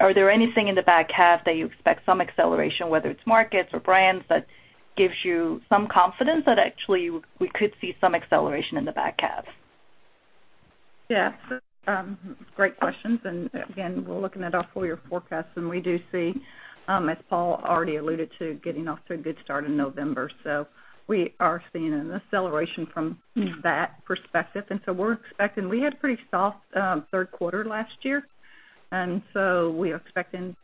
are there anything in the back half that you expect some acceleration, whether it's markets or brands, that gives you some confidence that actually we could see some acceleration in the back half? Yes. Great questions. Again, we're looking at our full-year forecast. We do see, as Paul already alluded to, getting off to a good start in November. We are seeing an acceleration from that perspective. We had a pretty soft third quarter last year, we are expecting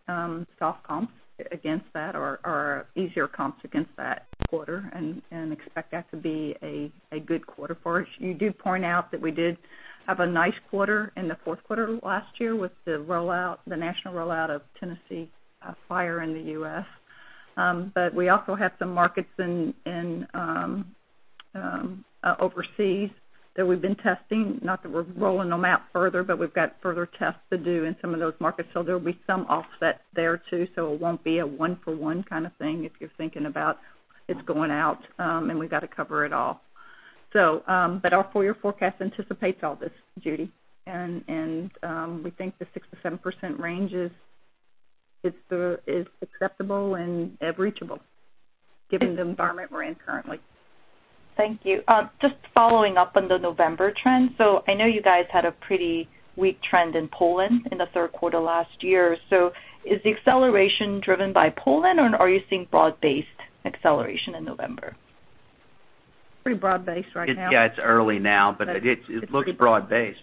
soft comps against that or easier comps against that quarter, and expect that to be a good quarter for us. You do point out that we did have a nice quarter in the fourth quarter last year with the national rollout of Tennessee Fire in the U.S. We also have some markets overseas that we've been testing, not that we're rolling them out further, but we've got further tests to do in some of those markets. There'll be some offset there too. It won't be a one-for-one kind of thing, if you're thinking about it's going out, and we've got to cover it all. Our full-year forecast anticipates all this, Judy, and we think the 6%-7% range is acceptable and reachable given the environment we're in currently. Thank you. Just following up on the November trend. I know you guys had a pretty weak trend in Poland in the third quarter last year. Is the acceleration driven by Poland, or are you seeing broad-based acceleration in November? Pretty broad-based right now. Yeah, it's early now, but it looks broad-based.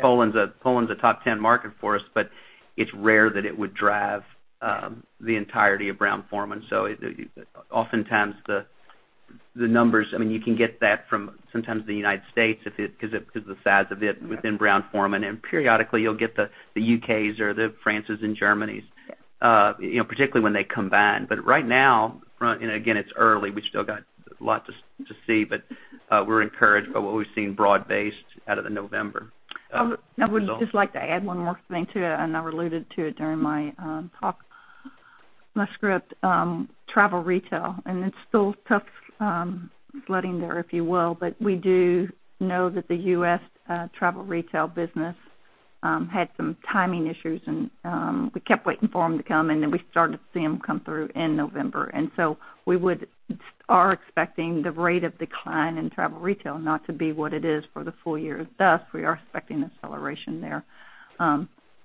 Poland's a top 10 market for us, but it's rare that it would drive the entirety of Brown-Forman. Oftentimes, the numbers, you can get that from sometimes the United States because of the size of it within Brown-Forman, and periodically you'll get the U.K.'s or the France's and Germany's, particularly when they combine. Right now, and again, it's early, we still got a lot to see, but we're encouraged by what we've seen broad-based out of the November. I would just like to add one more thing to it. I alluded to it during my talk, my script. Travel retail, it's still tough sledding there, if you will. We do know that the U.S. travel retail business had some timing issues. We kept waiting for them to come. We started to see them come through in November. We are expecting the rate of decline in travel retail not to be what it is for the full year. Thus, we are expecting acceleration there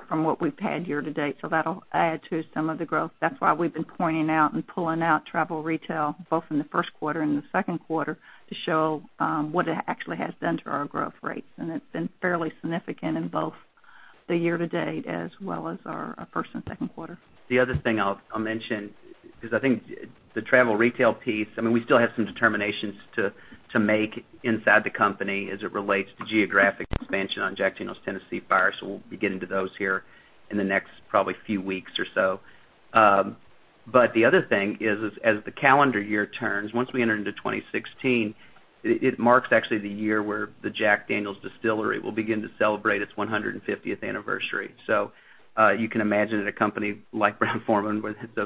from what we've had year to date. That'll add to some of the growth. That's why we've been pointing out and pulling out travel retail, both in the first quarter and the second quarter, to show what it actually has done to our growth rates. It's been fairly significant in both the year to date as well as our first and second quarter. The other thing I'll mention, because I think the travel retail piece, we still have some determinations to make inside the company as it relates to geographic expansion on Jack Daniel's Tennessee Fire. We'll be getting to those here in the next probably few weeks or so. The other thing is as the calendar year turns, once we enter into 2016, it marks actually the year where the Jack Daniel's distillery will begin to celebrate its 150th anniversary. You can imagine that a company like Brown-Forman, it's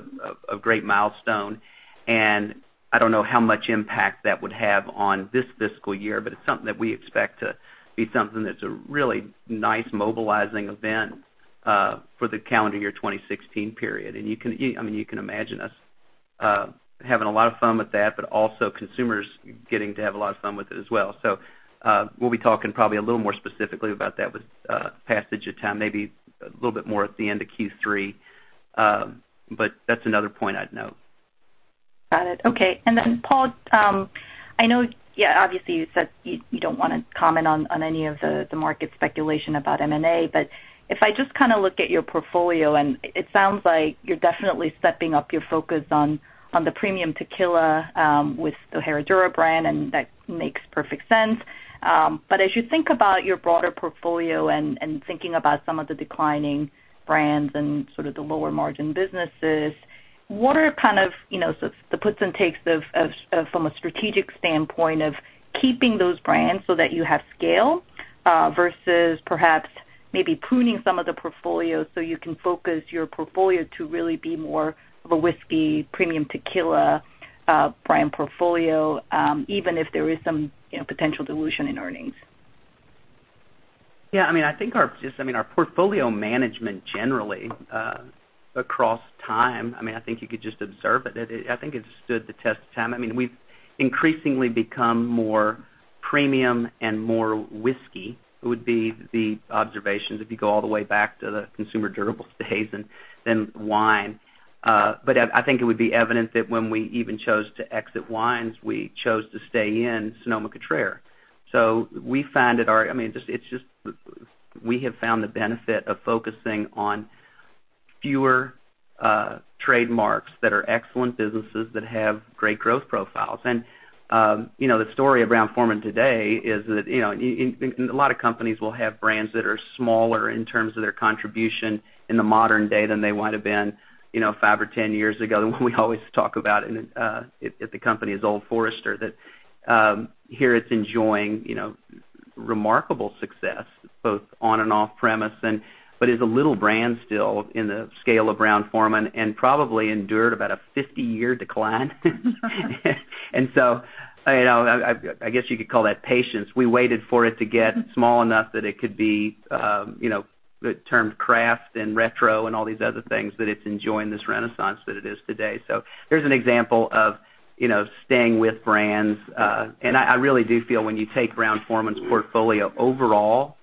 a great milestone. I don't know how much impact that would have on this fiscal year, it's something that we expect to be something that's a really nice mobilizing event for the calendar year 2016 period. You can imagine us having a lot of fun with that, also consumers getting to have a lot of fun with it as well. We'll be talking probably a little more specifically about that with passage of time, maybe a little bit more at the end of Q3. That's another point I'd note. Got it. Okay. Paul, I know, obviously, you said you don't want to comment on any of the market speculation about M&A, if I just look at your portfolio, it sounds like you're definitely stepping up your focus on the premium tequila with the Herradura brand, and that makes perfect sense. As you think about your broader portfolio and thinking about some of the declining brands and sort of the lower margin businesses, what are the puts and takes from a strategic standpoint of keeping those brands so that you have scale? versus perhaps maybe pruning some of the portfolios so you can focus your portfolio to really be more of a whiskey, premium tequila brand portfolio, even if there is some potential dilution in earnings. Yeah. Our portfolio management generally, across time, I think you could just observe it, I think it's stood the test of time. We've increasingly become more premium and more whiskey, would be the observations, if you go all the way back to the consumer durables days, and then wine. I think it would be evident that when we even chose to exit wines, we chose to stay in Sonoma-Cutrer. We have found the benefit of focusing on fewer trademarks that are excellent businesses that have great growth profiles. The story of Brown-Forman today is that, a lot of companies will have brands that are smaller in terms of their contribution in the modern day than they might have been five or 10 years ago. The one we always talk about at the company is Old Forester, that here it's enjoying remarkable success both on and off premise, but is a little brand still in the scale of Brown-Forman, and probably endured about a 50-year decline. I guess you could call that patience. We waited for it to get small enough that it could be the term craft and retro and all these other things that it's enjoying this renaissance that it is today. There's an example of staying with brands. I really do feel when you take Brown-Forman's portfolio overall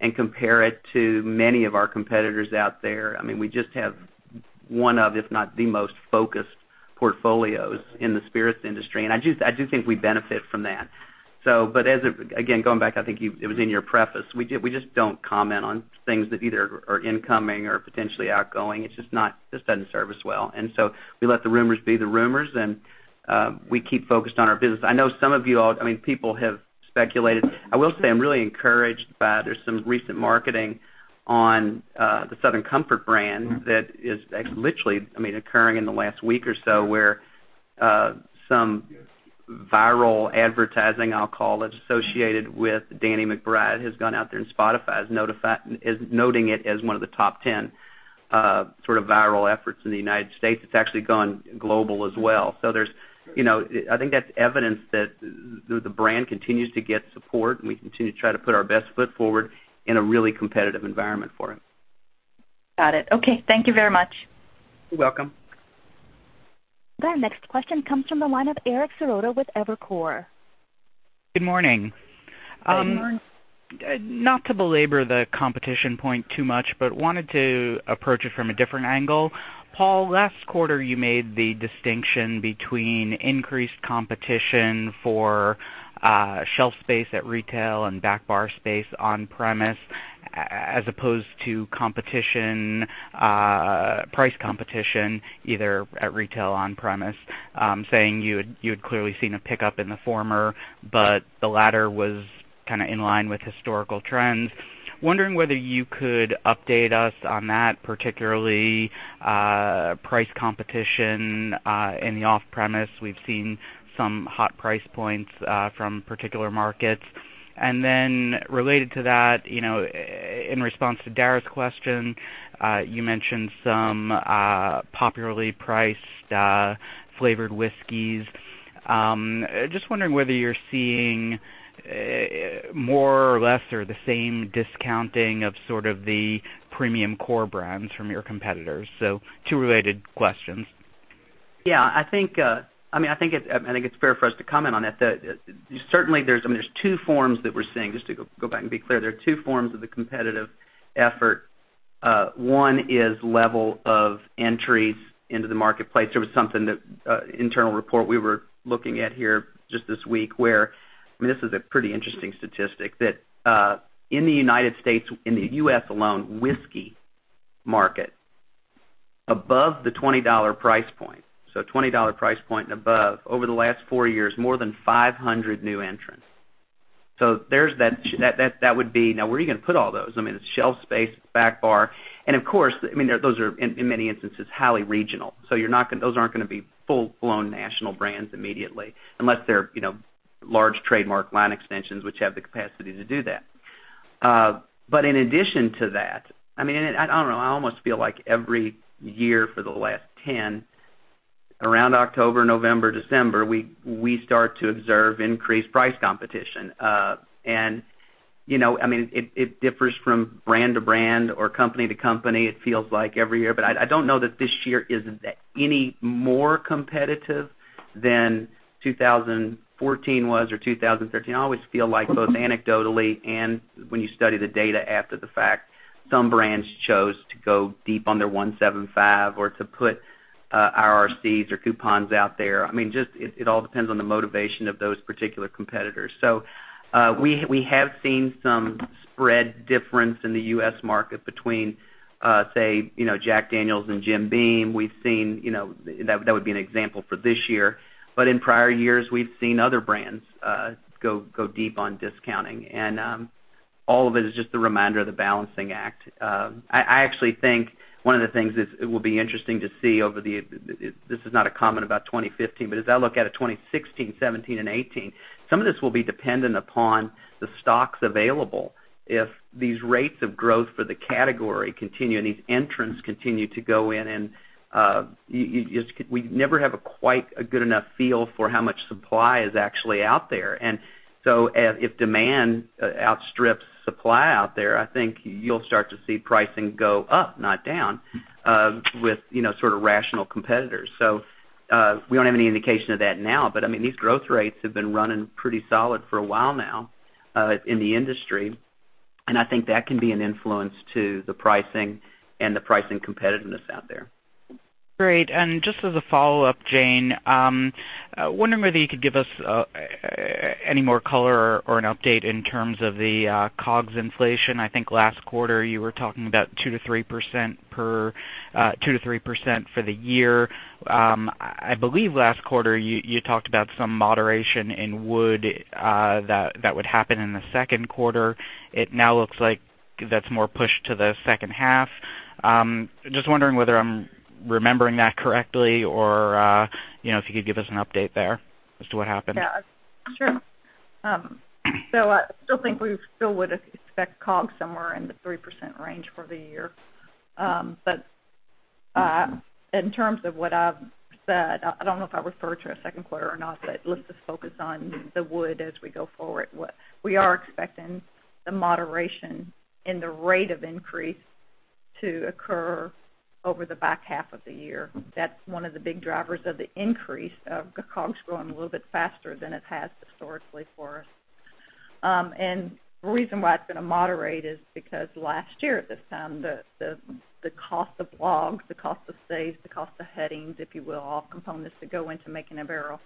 and compare it to many of our competitors out there, we just have one of, if not the most focused portfolios in the spirits industry, and I do think we benefit from that. As, again, going back, I think it was in your preface, we just don't comment on things that either are incoming or potentially outgoing. It just doesn't serve us well. We let the rumors be the rumors, and we keep focused on our business. I know some of you all, people have speculated. I will say I'm really encouraged by, there's some recent marketing on the Southern Comfort brand that is literally occurring in the last week or so, where some viral advertising, I'll call it, associated with Danny McBride, has gone out there, and Spotify is noting it as one of the top 10 viral efforts in the United States. It's actually gone global as well. I think that's evidence that the brand continues to get support, and we continue to try to put our best foot forward in a really competitive environment for it. Got it. Okay. Thank you very much. You're welcome. Our next question comes from the line of Eric Serotta with Evercore. Good morning. Good morning. Not to belabor the competition point too much, wanted to approach it from a different angle. Paul, last quarter, you made the distinction between increased competition for shelf space at retail and back bar space on-premise, as opposed to price competition, either at retail or on-premise, saying you had clearly seen a pickup in the former, but the latter was kind of in line with historical trends. Wondering whether you could update us on that, particularly, price competition in the off-premise. We've seen some hot price points from particular markets. Related to that, in response to Dara's question, you mentioned some popularly priced flavored whiskeys. Just wondering whether you're seeing more or less or the same discounting of sort of the premium core brands from your competitors. Two related questions. I think it's fair for us to comment on it. Certainly, there's two forms that we're seeing. Just to go back and be clear, there are two forms of the competitive effort. One is level of entries into the marketplace. There was something that, internal report we were looking at here just this week where, this is a pretty interesting statistic, that in the U.S., in the U.S. alone, whiskey market above the $20 price point, so $20 price point and above, over the last four years, more than 500 new entrants. That would be, now where are you going to put all those? It's shelf space, it's back bar. Of course, those are, in many instances, highly regional, so those aren't going to be full-blown national brands immediately, unless they're large trademark line extensions which have the capacity to do that. In addition to that, I don't know, I almost feel like every year for the last 10, around October, November, December, we start to observe increased price competition. It differs from brand to brand or company to company, it feels like every year. I don't know that this year is any more competitive than 2014 was or 2013. I always feel like both anecdotally and when you study the data after the fact, some brands chose to go deep under $175 or to put IRCs or coupons out there. It all depends on the motivation of those particular competitors. We have seen some spread difference in the U.S. market between, say, Jack Daniel's and Jim Beam. That would be an example for this year. In prior years, we've seen other brands go deep on discounting, and all of it is just a reminder of the balancing act. I actually think one of the things that will be interesting to see, this is not a comment about 2015, but as I look out at 2016, 2017, and 2018, some of this will be dependent upon the stocks available. If these rates of growth for the category continue and these entrants continue to go in, we never have a quite a good enough feel for how much supply is actually out there. If demand outstrips supply out there, I think you'll start to see pricing go up, not down, with rational competitors. We don't have any indication of that now, these growth rates have been running pretty solid for a while now in the industry, I think that can be an influence to the pricing and the pricing competitiveness out there. Great. Just as a follow-up, Jane, wondering whether you could give us any more color or an update in terms of the COGS inflation. I think last quarter, you were talking about 2%-3% for the year. I believe last quarter, you talked about some moderation in wood that would happen in the second quarter. It now looks like that's more pushed to the second half. Just wondering whether I'm remembering that correctly or if you could give us an update there as to what happened. Yeah. Sure. I still think we still would expect COGS somewhere in the 3% range for the year. In terms of what I've said, I don't know if I referred to a second quarter or not, but let's just focus on the wood as we go forward. We are expecting the moderation in the rate of increase to occur over the back half of the year. That's one of the big drivers of the increase of COGS growing a little bit faster than it has historically for us. The reason why it's going to moderate is because last year at this time, the cost of logs, the cost of staves, the cost of headings, if you will, all components that go into making a barrel,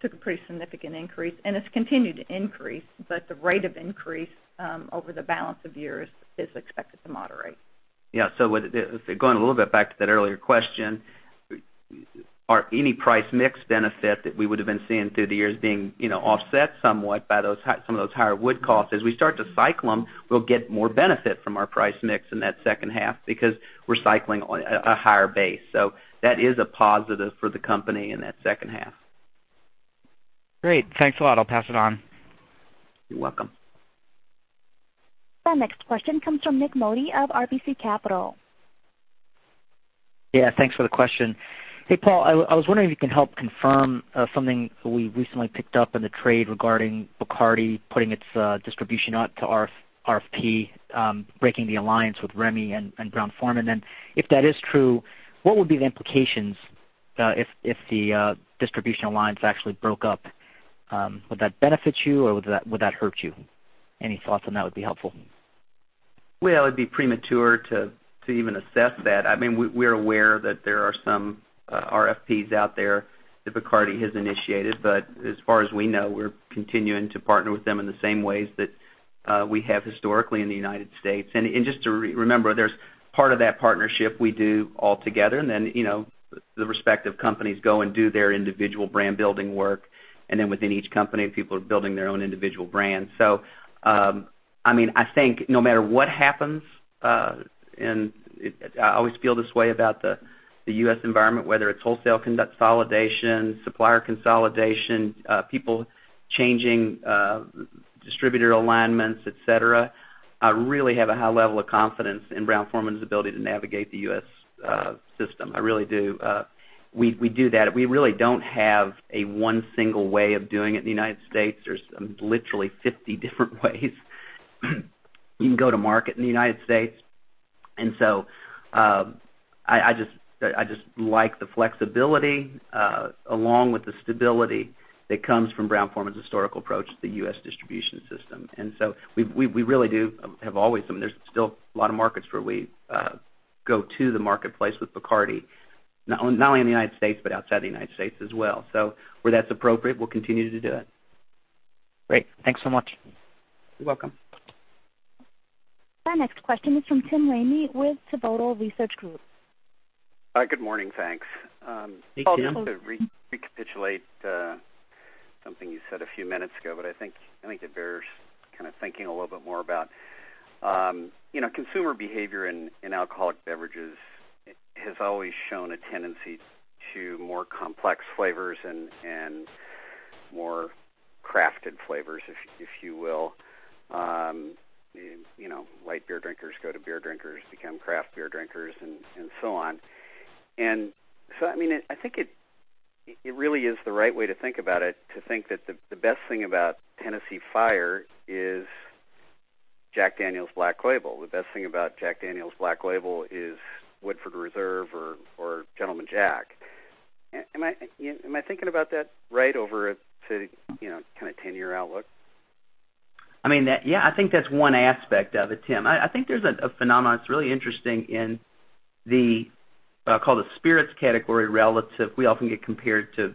took a pretty significant increase, and it's continued to increase. The rate of increase over the balance of years is expected to moderate. Yeah. Going a little bit back to that earlier question, any price mix benefit that we would've been seeing through the years being offset somewhat by some of those higher wood costs. As we start to cycle them, we'll get more benefit from our price mix in that second half because we're cycling on a higher base. That is a positive for the company in that second half. Great. Thanks a lot. I'll pass it on. You're welcome. Our next question comes from Nik Modi of RBC Capital. Yeah, thanks for the question. Hey, Paul, I was wondering if you can help confirm something we recently picked up in the trade regarding Bacardi putting its distribution out to RFP, breaking the alliance with Rémy and Brown-Forman. If that is true, what would be the implications if the distribution alliance actually broke up? Would that benefit you, or would that hurt you? Any thoughts on that would be helpful. Well, it'd be premature to even assess that. We're aware that there are some RFPs out there that Bacardi has initiated, but as far as we know, we're continuing to partner with them in the same ways that we have historically in the U.S. Just to remember, there's part of that partnership we do altogether, and then the respective companies go and do their individual brand-building work, and then within each company, people are building their own individual brands. I think no matter what happens, and I always feel this way about the U.S. environment, whether it's wholesale consolidation, supplier consolidation, people changing distributor alignments, et cetera, I really have a high level of confidence in Brown-Forman's ability to navigate the U.S. system, I really do. We do that. We really don't have a one single way of doing it in the U.S. There's literally 50 different ways you can go to market in the U.S. I just like the flexibility, along with the stability that comes from Brown-Forman's historical approach to the U.S. distribution system. We really do have always, there's still a lot of markets where we go to the marketplace with Bacardi, not only in the U.S., but outside the U.S. as well. Where that's appropriate, we'll continue to do it. Great. Thanks so much. You're welcome. Our next question is from Tim Ramey with Pivotal Research Group. Hi, good morning, thanks. Hey, Tim. Paul, just to recapitulate something you said a few minutes ago, I think it bears kind of thinking a little bit more about. Consumer behavior in alcoholic beverages has always shown a tendency to more complex flavors and more crafted flavors, if you will. Light beer drinkers go to beer drinkers become craft beer drinkers, and so on. I think it really is the right way to think about it, to think that the best thing about Tennessee Fire is Jack Daniel's Black Label. The best thing about Jack Daniel's Black Label is Woodford Reserve or Gentleman Jack. Am I thinking about that right over a kind of 10-year outlook? Yeah, I think that's one aspect of it, Tim. I think there's a phenomenon that's really interesting in the, I'll call it the spirits category relative. We often get compared to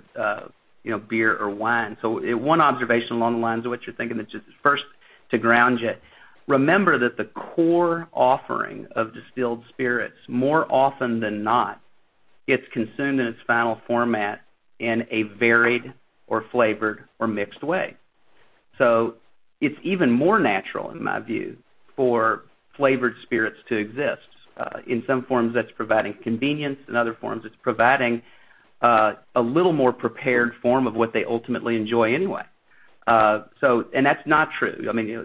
beer or wine. One observation along the lines of what you're thinking, just first to ground you, remember that the core offering of distilled spirits, more often than not, gets consumed in its final format in a varied or flavored or mixed way. It's even more natural, in my view, for flavored spirits to exist. In some forms, that's providing convenience. In other forms, it's providing a little more prepared form of what they ultimately enjoy anyway. That's not true.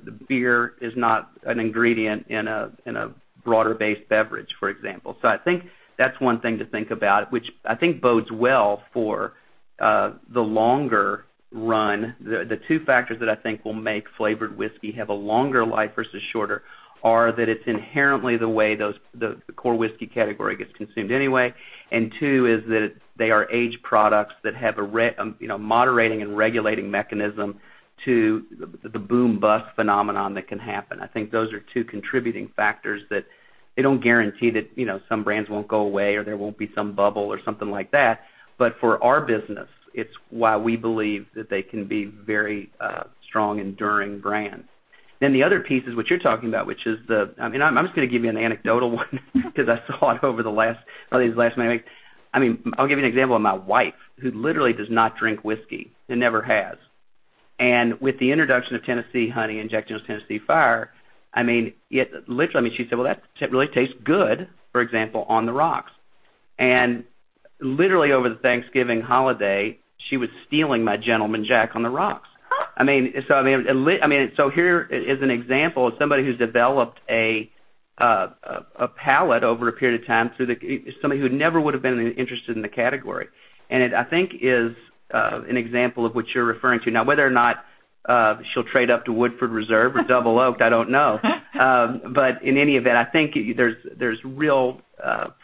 The beer is not an ingredient in a broader base beverage, for example. I think that's one thing to think about, which I think bodes well for the longer run. The two factors that I think will make flavored whiskey have a longer life versus shorter are that it's inherently the way the core whiskey category gets consumed anyway, and two is that they are aged products that have a moderating and regulating mechanism to the boom-bust phenomenon that can happen. I think those are two contributing factors that they don't guarantee that some brands won't go away or there won't be some bubble or something like that, but for our business, it's why we believe that they can be very strong, enduring brands. The other piece is what you're talking about, which is the I'm just going to give you an anecdotal one because I saw it over the last holiday, this last May. I'll give you an example of my wife, who literally does not drink whiskey and never has. With the introduction of Tennessee Honey and Jack Daniel's Tennessee Fire, literally, she said, "Well, that really tastes good," for example, on the rocks. Literally over the Thanksgiving holiday, she was stealing my Gentleman Jack on the rocks. Here is an example of somebody who's developed a palate over a period of time, somebody who never would've been interested in the category. It, I think, is an example of what you're referring to now. Whether or not she'll trade up to Woodford Reserve or Double Oaked, I don't know. In any event, I think there's real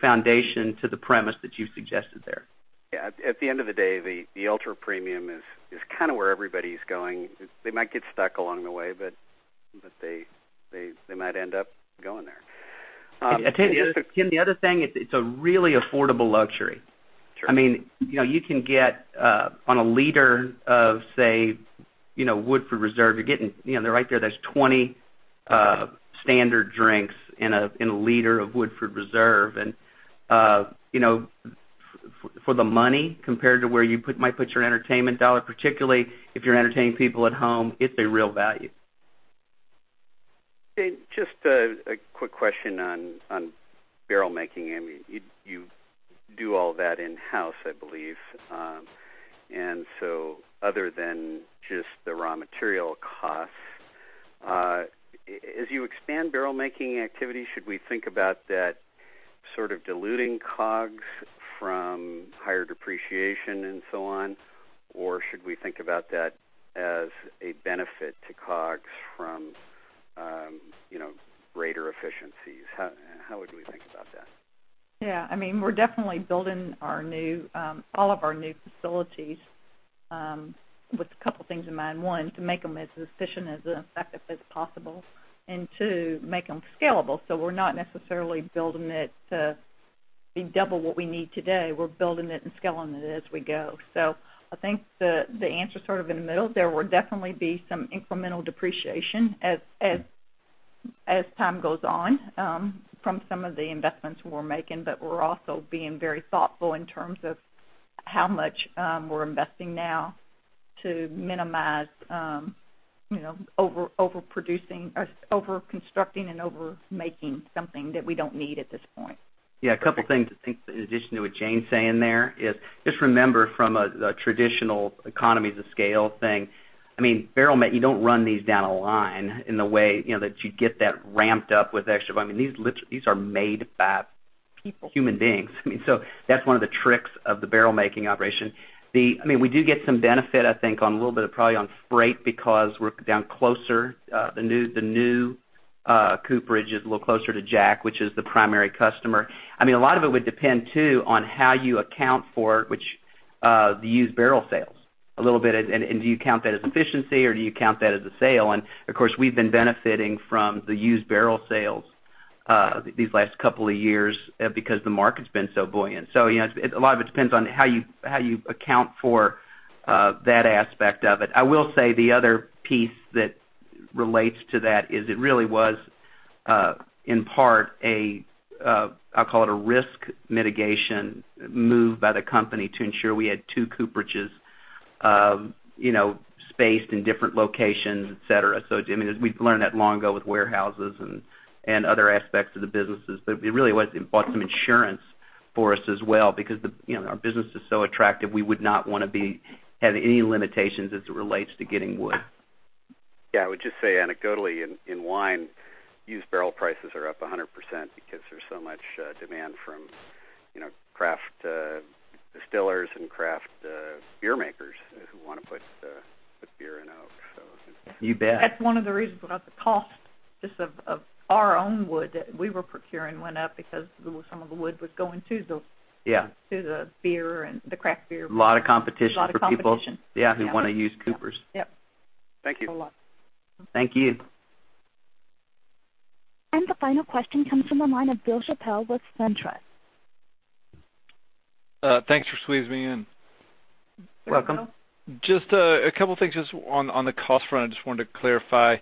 foundation to the premise that you've suggested there. Yeah. At the end of the day, the ultra premium is kind of where everybody's going. They might get stuck along the way, but they might end up going there. Tim, the other thing, it's a really affordable luxury. Sure. You can get on a liter of, say, Woodford Reserve, right there's 20 standard drinks in a liter of Woodford Reserve. For the money compared to where you might put your entertainment dollar, particularly if you're entertaining people at home, it's a real value. Jane, just a quick question on barrel making. You do all that in-house, I believe. Other than just the raw material costs, as you expand barrel making activities, should we think about that sort of diluting COGS from higher depreciation and so on? Should we think about that as a benefit to COGS from greater efficiencies? How would we think about that? Yeah. We're definitely building all of our new facilities, with a couple things in mind. One, to make them as efficient and as effective as possible, and two, make them scalable. We're not necessarily building it to be double what we need today. We're building it and scaling it as we go. I think the answer's sort of in the middle. There will definitely be some incremental depreciation as time goes on, from some of the investments we're making, but we're also being very thoughtful in terms of how much we're investing now to minimize over-producing or over-constructing and over-making something that we don't need at this point. Yeah. A couple of things to think in addition to what Jane's saying there is just remember from a traditional economies of scale thing, barrel making, you don't run these down a line in the way that you get that ramped up with extra volume. These are made. People That's one of the tricks of the barrel making operation. We do get some benefit, I think, a little bit probably on freight because we're down closer. The new cooperage is a little closer to Jack, which is the primary customer. A lot of it would depend, too, on how you account for the used barrel sales a little bit, and do you count that as efficiency, or do you count that as a sale? Of course, we've been benefiting from the used barrel sales, these last couple of years because the market's been so buoyant. A lot of it depends on how you account for that aspect of it. I will say the other piece that relates to that is it really was, in part, I'll call it a risk mitigation move by the company to ensure we had two cooperages spaced in different locations, et cetera. I mean, we've learned that long ago with warehouses and other aspects of the businesses, but it really bought some insurance for us as well because our business is so attractive, we would not want to have any limitations as it relates to getting wood. Yeah. I would just say anecdotally in wine, used barrel prices are up 100% because there's so much demand from craft distillers and craft beer makers who want to put beer in oak. You bet. That's one of the reasons about the cost. Just of our own wood that we were procuring went up because some of the wood was going to the- Yeah to the beer and the craft beer. A lot of competition for people- A lot of competition yeah, who want to use coopers. Yep. Thank you. A lot. Thank you. The final question comes from the line of Bill Chappell with SunTrust. Thanks for squeezing me in. Welcome. Bill. Just a couple of things just on the cost front, I just wanted to clarify.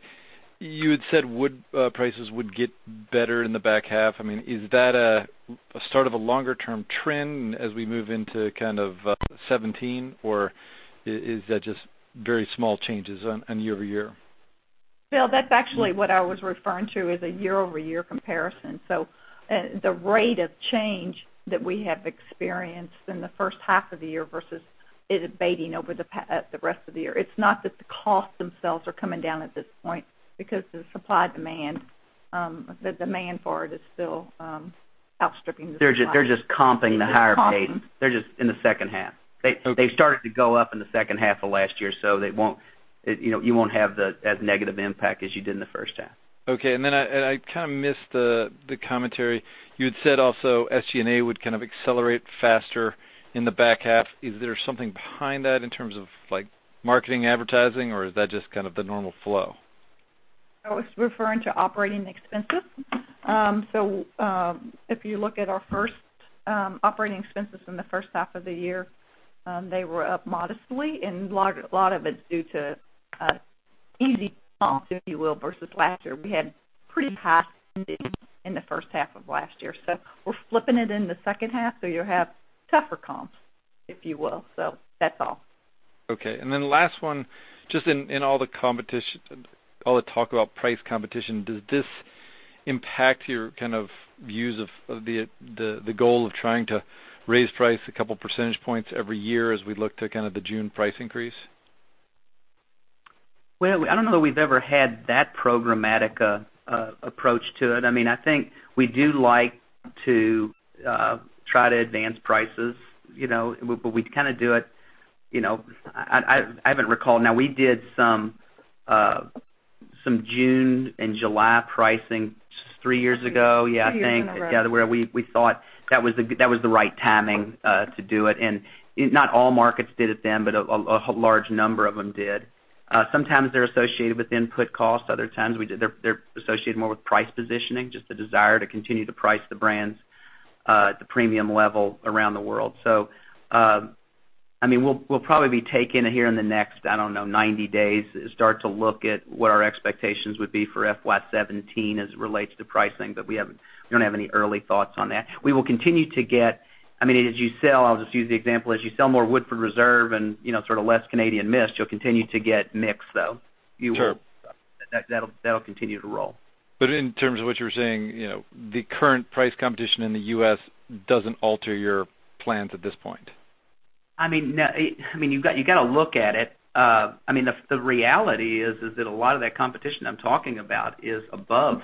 You had said wood prices would get better in the back half. Is that a start of a longer-term trend as we move into 2017, or is that just very small changes on year-over-year? Bill, that's actually what I was referring to as a year-over-year comparison. The rate of change that we have experienced in the first half of the year versus it abating over the rest of the year. It's not that the costs themselves are coming down at this point, because the supply-demand, the demand for it is still outstripping the supply. They're just comping the higher paid. It is comping. They're just in the second half. Okay. They started to go up in the second half of last year, so you won't have as negative impact as you did in the first half. Okay. I missed the commentary. You had said also SG&A would accelerate faster in the back half. Is there something behind that in terms of marketing, advertising, or is that just the normal flow? I was referring to operating expenses. If you look at our first operating expenses in the first half of the year, they were up modestly, and a lot of it's due to easy comps, if you will, versus last year. We had pretty high in the first half of last year. We're flipping it in the second half, you'll have tougher comps, if you will. That's all. Okay. Last one, just in all the talk about price competition, does this impact your views of the goal of trying to raise price a couple percentage points every year as we look to the June price increase? I don't know that we've ever had that programmatic approach to it. I think we do like to try to advance prices, but we do it I haven't recalled. We did some June and July pricing three years ago. Three years ago, right. Yeah, where we thought that was the right timing to do it. Not all markets did it then, but a large number of them did. Sometimes they're associated with input costs, other times they're associated more with price positioning, just the desire to continue to price the brands at the premium level around the world. We'll probably be taking here in the next, I don't know, 90 days, start to look at what our expectations would be for FY 2017 as it relates to pricing. We don't have any early thoughts on that. We will continue to get, as you sell, I'll just use the example, as you sell more Woodford Reserve and less Canadian Mist, you'll continue to get mix, though. Sure. That'll continue to roll. In terms of what you were saying, the current price competition in the U.S. doesn't alter your plans at this point. You've got to look at it. The reality is that a lot of that competition I'm talking about is above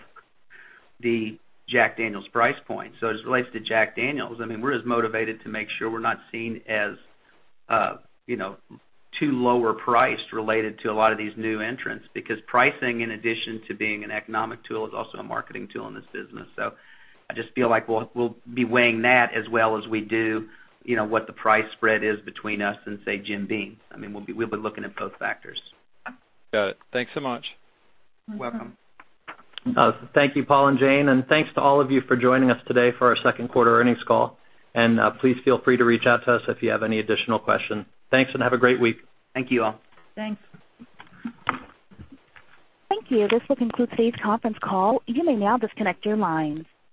the Jack Daniel's price point. As it relates to Jack Daniel's, we're as motivated to make sure we're not seen as too lower priced related to a lot of these new entrants, because pricing, in addition to being an economic tool, is also a marketing tool in this business. I just feel like we'll be weighing that as well as we do what the price spread is between us and, say, Jim Beam. We'll be looking at both factors. Got it. Thanks so much. Welcome. Thank you, Paul and Jane, and thanks to all of you for joining us today for our second quarter earnings call. Please feel free to reach out to us if you have any additional questions. Thanks, and have a great week. Thank you all. Thanks. Thank you. This will conclude today's conference call. You may now disconnect your lines.